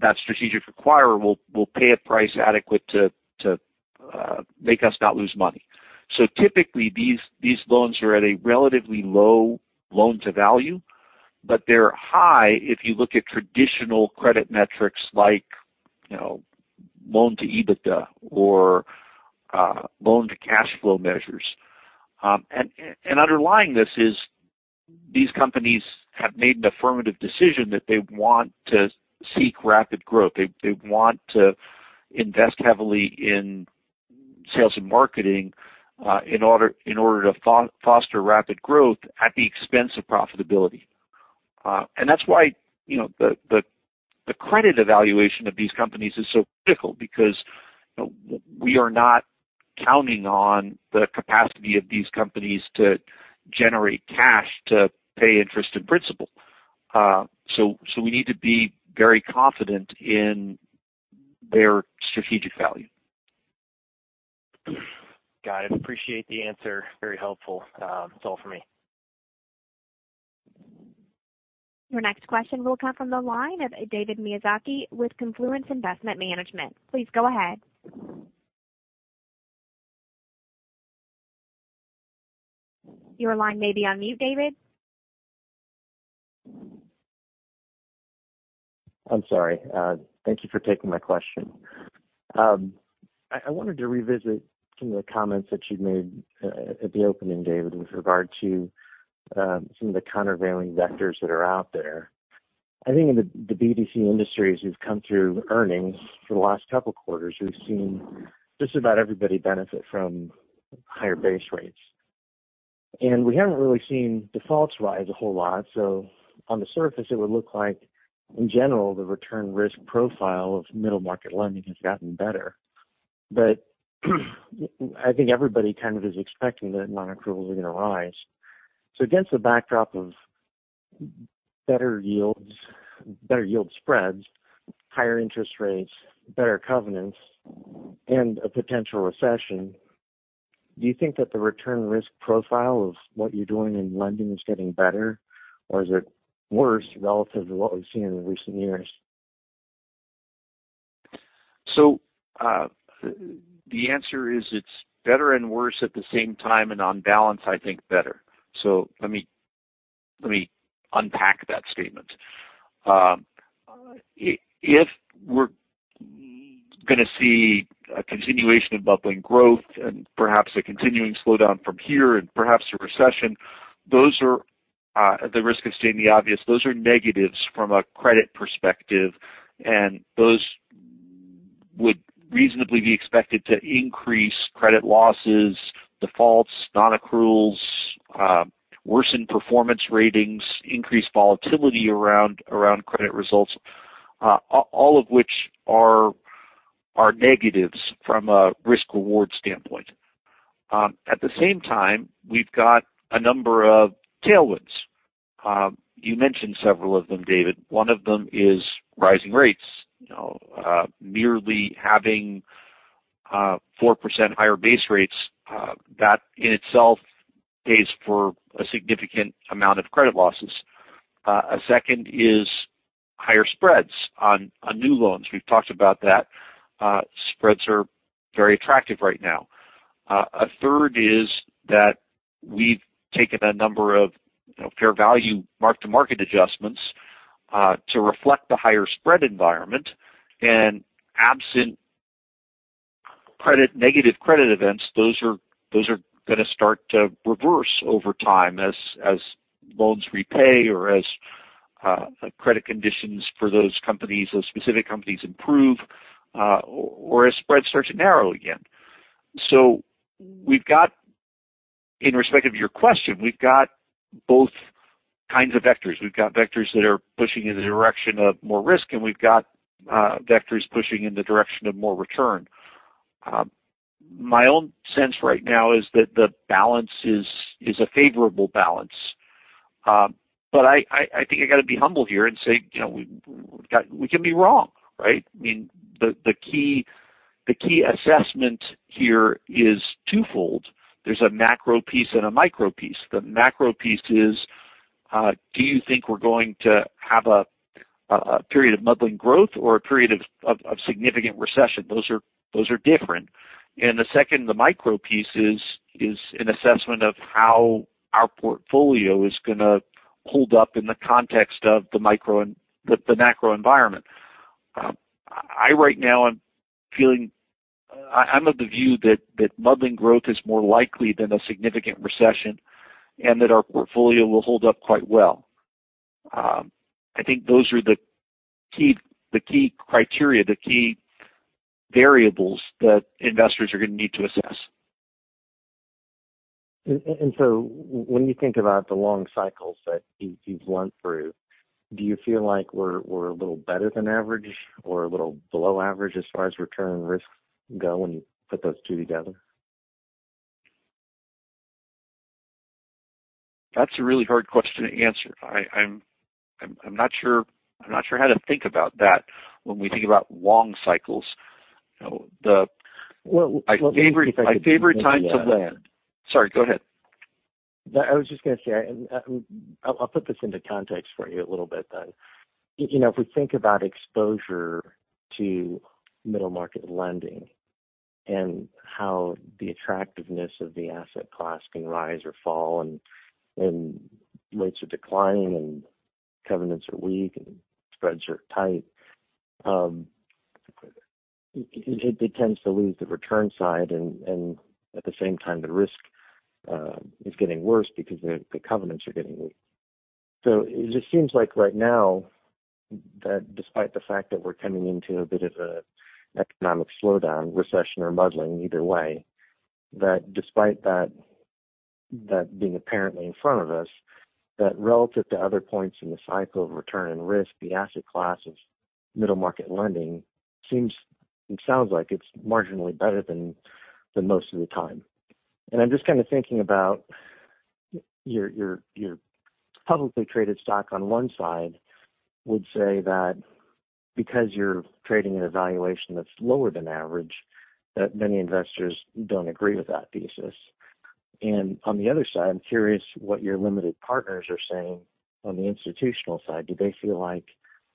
that strategic acquirer will pay a price adequate to make us not lose money. Typically, these loans are at a relatively low loan-to-value, but they're high if you look at traditional credit metrics like, you know, loan to EBITDA or loan to cash flow measures. Underlying this is these companies have made an affirmative decision that they want to seek rapid growth. They want to invest heavily in sales and marketing in order to foster rapid growth at the expense of profitability. That's why, you know, the credit evaluation of these companies is so critical because we are not counting on the capacity of these companies to generate cash to pay interest and principal. We need to be very confident in their strategic value. Got it. Appreciate the answer. Very helpful. That's all for me. Your next question will come from the line of David Miyazaki with Confluence Investment Management. Please go ahead. Your line may be on mute, David. I'm sorry. Thank you for taking my question. I wanted to revisit some of the comments that you made at the opening, David, with regard to some of the countervailing vectors that are out there. I think in the BDC industries, we've come through earnings for the last couple quarters. We've seen just about everybody benefit from higher base rates. We haven't really seen defaults rise a whole lot. On the surface, it would look like in general, the return risk profile of middle market lending has gotten better. I think everybody kind of is expecting that non-accruals are going to rise. Against the backdrop of better yields, better yield spreads, higher interest rates, better covenants, and a potential recession, do you think that the return risk profile of what you're doing in lending is getting better, or is it worse relative to what we've seen in recent years? The answer is it's better and worse at the same time, and on balance, I think better. Let me unpack that statement. If we're gonna see a continuation of bubbling growth and perhaps a continuing slowdown from here and perhaps a recession, those are at the risk of stating the obvious, those are negatives from a credit perspective, and those would reasonably be expected to increase credit losses, defaults, non-accruals, worsen performance ratings, increase volatility around credit results, all of which are negatives from a risk-reward standpoint. At the same time, we've got a number of tailwinds. You mentioned several of them, David. One of them is rising rates. You know, merely having 4% higher base rates, that in itself pays for a significant amount of credit losses. A second is higher spreads on new loans. We've talked about that. Spreads are very attractive right now. A third is that we've taken a number of, you know, fair value mark-to-market adjustments to reflect the higher spread environment. Absent credit, negative credit events, those are gonna start to reverse over time as loans repay or as credit conditions for those companies, those specific companies improve, or as spread starts to narrow again. In respect of your question, we've got both kinds of vectors. We've got vectors that are pushing in the direction of more risk, and we've got vectors pushing in the direction of more return. My own sense right now is that the balance is a favorable balance. I think I got to be humble here and say, you know, we can be wrong, right? I mean, the key assessment here is twofold. There's a macro piece and a micro piece. The macro piece is, do you think we're going to have a period of muddling growth or a period of significant recession? Those are different. The second, the micro piece is an assessment of how our portfolio is gonna hold up in the context of the macro environment. I'm of the view that muddling growth is more likely than a significant recession and that our portfolio will hold up quite well. I think those are the key, the key criteria, the key variables that investors are gonna need to assess. When you think about the long cycles that you've went through, do you feel like we're a little better than average or a little below average as far as return risk go when you put those two together? That's a really hard question to answer. I'm not sure how to think about that when we think about long cycles. You know. Well, My favorite time to land... Sorry, go ahead. No, I was just gonna say, I'll put this into context for you a little bit then. You know, if we think about exposure to middle market lending and how the attractiveness of the asset class can rise or fall, and rates are declining and covenants are weak and spreads are tight, it tends to lose the return side, and at the same time, the risk is getting worse because the covenants are getting weak. It just seems like right now that despite the fact that we're coming into a bit of an economic slowdown, recession or muddling, either way, that despite that being apparently in front of us, that relative to other points in the cycle of return and risk, the asset class of middle market lending seems and sounds like it's marginally better than most of the time. I'm just kind of thinking about your, your publicly traded stock on one side would say that because you're trading at a valuation that's lower than average, that many investors don't agree with that thesis. On the other side, I'm curious what your limited partners are saying on the institutional side. Do they feel like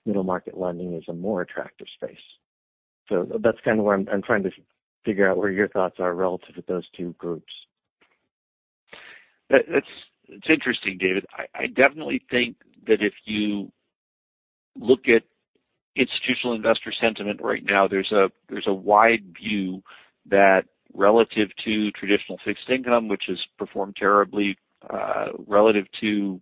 middle market lending is a more attractive space? That's kind of where I'm trying to figure out where your thoughts are relative to those two groups. That's interesting, David. I definitely think that if you look at institutional investor sentiment right now, there's a wide view that relative to traditional fixed income, which has performed terribly, relative to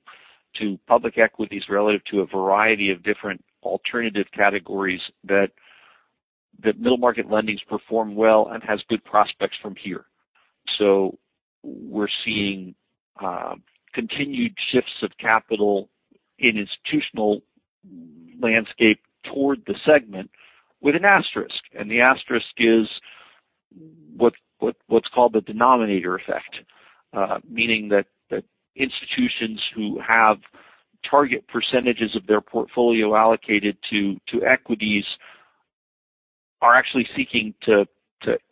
public equities, relative to a variety of different alternative categories, that middle market lending's performed well and has good prospects from here. We're seeing continued shifts of capital in institutional landscape toward the segment with an asterisk. The asterisk is what's called the denominator effect. Meaning that institutions who have target percentages of their portfolio allocated to equities are actually seeking to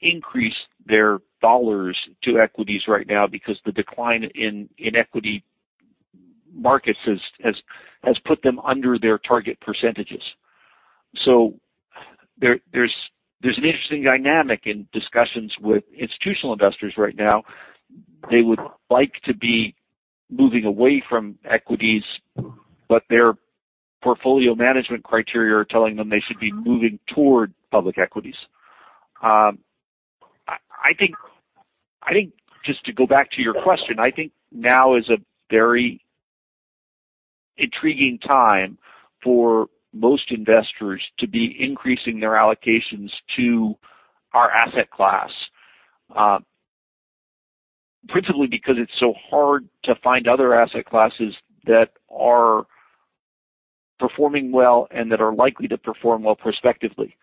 increase their dollars to equities right now because the decline in equity markets has put them under their target percentages. There's an interesting dynamic in discussions with institutional investors right now. They would like to be moving away from equities, but their portfolio management criteria are telling them they should be moving toward public equities. I think just to go back to your question, I think now is a very intriguing time for most investors to be increasing their allocations to our asset class, principally because it's so hard to find other asset classes that are performing well and that are likely to perform well prospectively.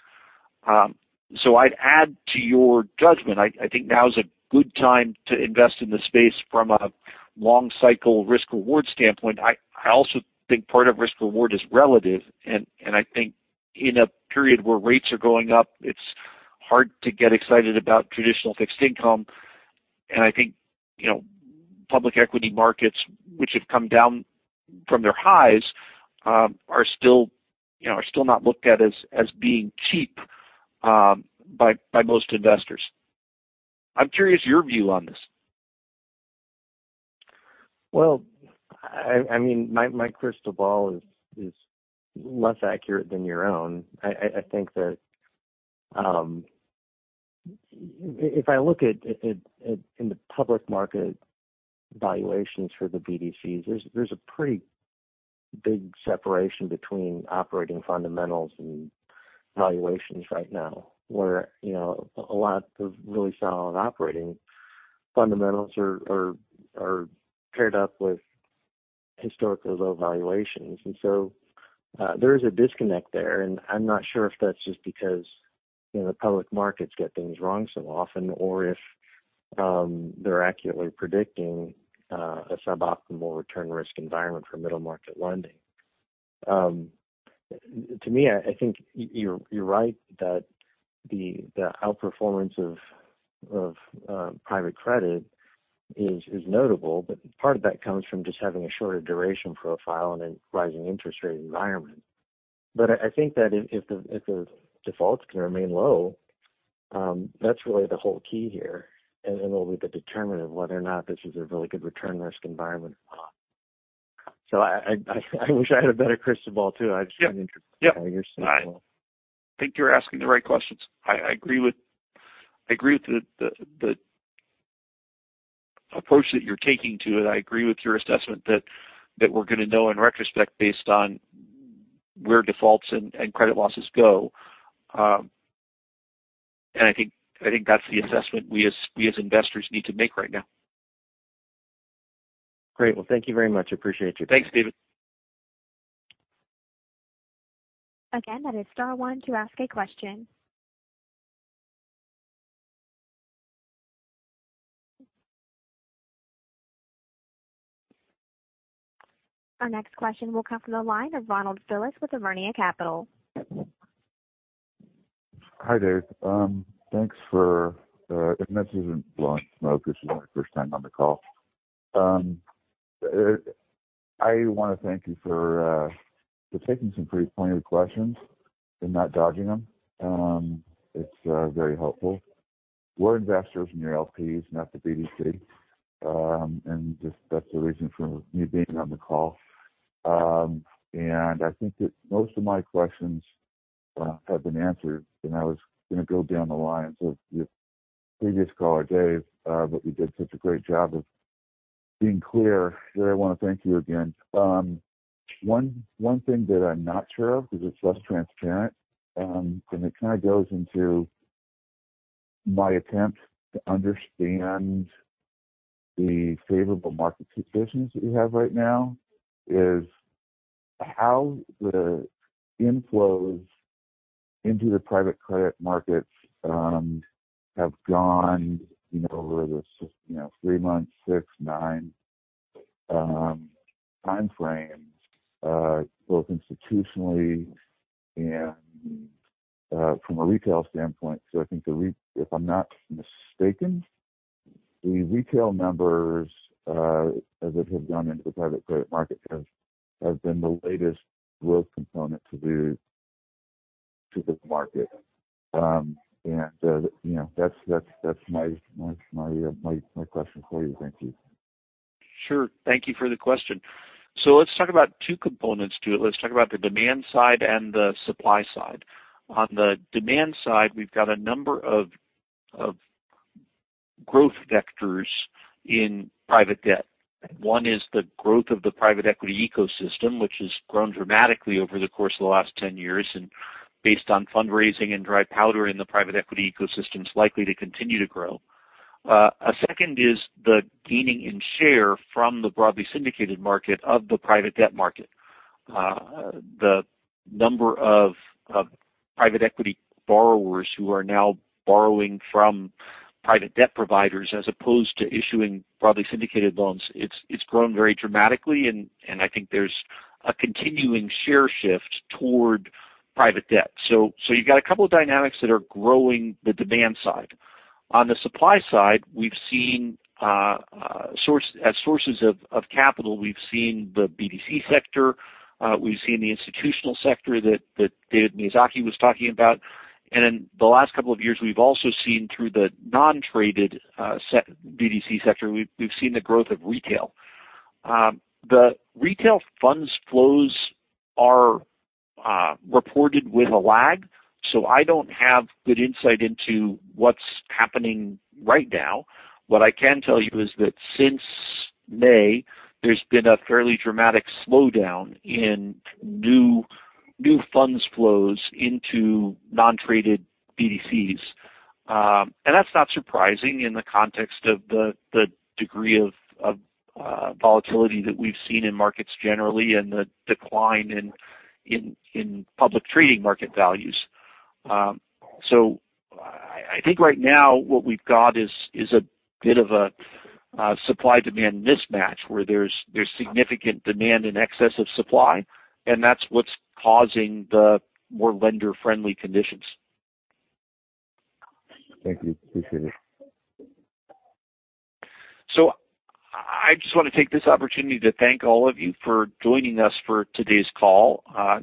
I'd add to your judgment. I think now is a good time to invest in this space from a long cycle risk-reward standpoint. I also think part of risk-reward is relative. And I think in a period where rates are going up, it's hard to get excited about traditional fixed income. I think, you know, public equity markets which have come down from their highs, are still, you know, are still not looked at as being cheap, by most investors. I'm curious your view on this. Well, I mean, my crystal ball is less accurate than your own. I think that if I look at in the public market valuations for the BDCs, there's a pretty big separation between operating fundamentals and valuations right now, where, you know, a lot of really solid operating fundamentals are paired up with historically low valuations. There is a disconnect there. I'm not sure if that's just because, you know, the public markets get things wrong so often or if they're accurately predicting a suboptimal return risk environment for middle-market lending. To me, I think you're right that the outperformance of private credit is notable. Part of that comes from just having a shorter duration profile in a rising interest rate environment. I think that if the defaults can remain low, that's really the whole key here. It'll be the determinant of whether or not this is a really good return risk environment or not. I wish I had a better crystal ball too. Yeah. You're seeing more. I think you're asking the right questions. I agree with the approach that you're taking to it. I agree with your assessment that we're gonna know in retrospect based on where defaults and credit losses go. I think that's the assessment we as investors need to make right now. Great. Well, thank you very much. I appreciate your time. Thanks, David. Again, that is star one to ask a question. Our next question will come from the line of Ronald Phillis with Ivernia Capital. Hi, Dave. Thanks for... If this isn't blowing smoke, this is my first time on the call. I wanna thank you for taking some pretty pointed questions and not dodging them. It's very helpful. We're investors in your LPs, not the BDC. Just that's the reason for me being on the call. I think that most of my questions have been answered. I was gonna go down the lines of the previous caller, Dave, but you did such a great job of being clear that I wanna thank you again. One thing that I'm not sure of because it's less transparent, and it kind of goes into my attempt to understand the favorable market conditions that we have right now, is how the inflows into the private credit markets have gone, you know, over this, you know, three months, six, nine time frames, both institutionally and from a retail standpoint. I think if I'm not mistaken, the retail numbers that have gone into the private credit market have been the latest growth component to this market. And, you know, that's my question for you. Thank you. Sure. Thank you for the question. Let's talk about two components to it. Let's talk about the demand side and the supply side. On the demand side, we've got a number of growth vectors in private debt. One is the growth of the private equity ecosystem, which has grown dramatically over the course of the last 10 years. Based on fundraising and dry powder in the private equity ecosystem, it's likely to continue to grow. A second is the gaining in share from the broadly syndicated market of the private debt market. The number of private equity borrowers who are now borrowing from private debt providers as opposed to issuing broadly syndicated loans, it's grown very dramatically. I think there's a continuing share shift toward private debt. You've got a couple of dynamics that are growing the demand side. On the supply side, we've seen as sources of capital. We've seen the BDC sector. We've seen the institutional sector that David Miyazaki was talking about. In the last couple of years, we've also seen through the non-traded BDC sector, we've seen the growth of retail. The retail funds flows are reported with a lag, so I don't have good insight into what's happening right now. What I can tell you is that since May, there's been a fairly dramatic slowdown in new funds flows into non-traded BDCs. That's not surprising in the context of the degree of volatility that we've seen in markets generally and the decline in public trading market values. I think right now what we've got is a bit of a supply-demand mismatch, where there's significant demand in excess of supply, and that's what's causing the more lender-friendly conditions. Thank you. Appreciate it. I just want to take this opportunity to thank all of you for joining us for today's call.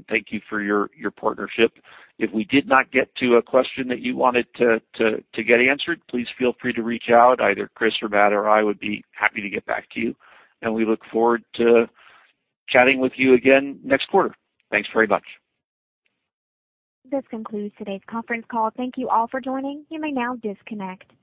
Thank you for your partnership. If we did not get to a question that you wanted to get answered, please feel free to reach out. Either Chris or Matt or I would be happy to get back to you. We look forward to chatting with you again next quarter. Thanks very much. This concludes today's conference call. Thank you all for joining. You may now disconnect.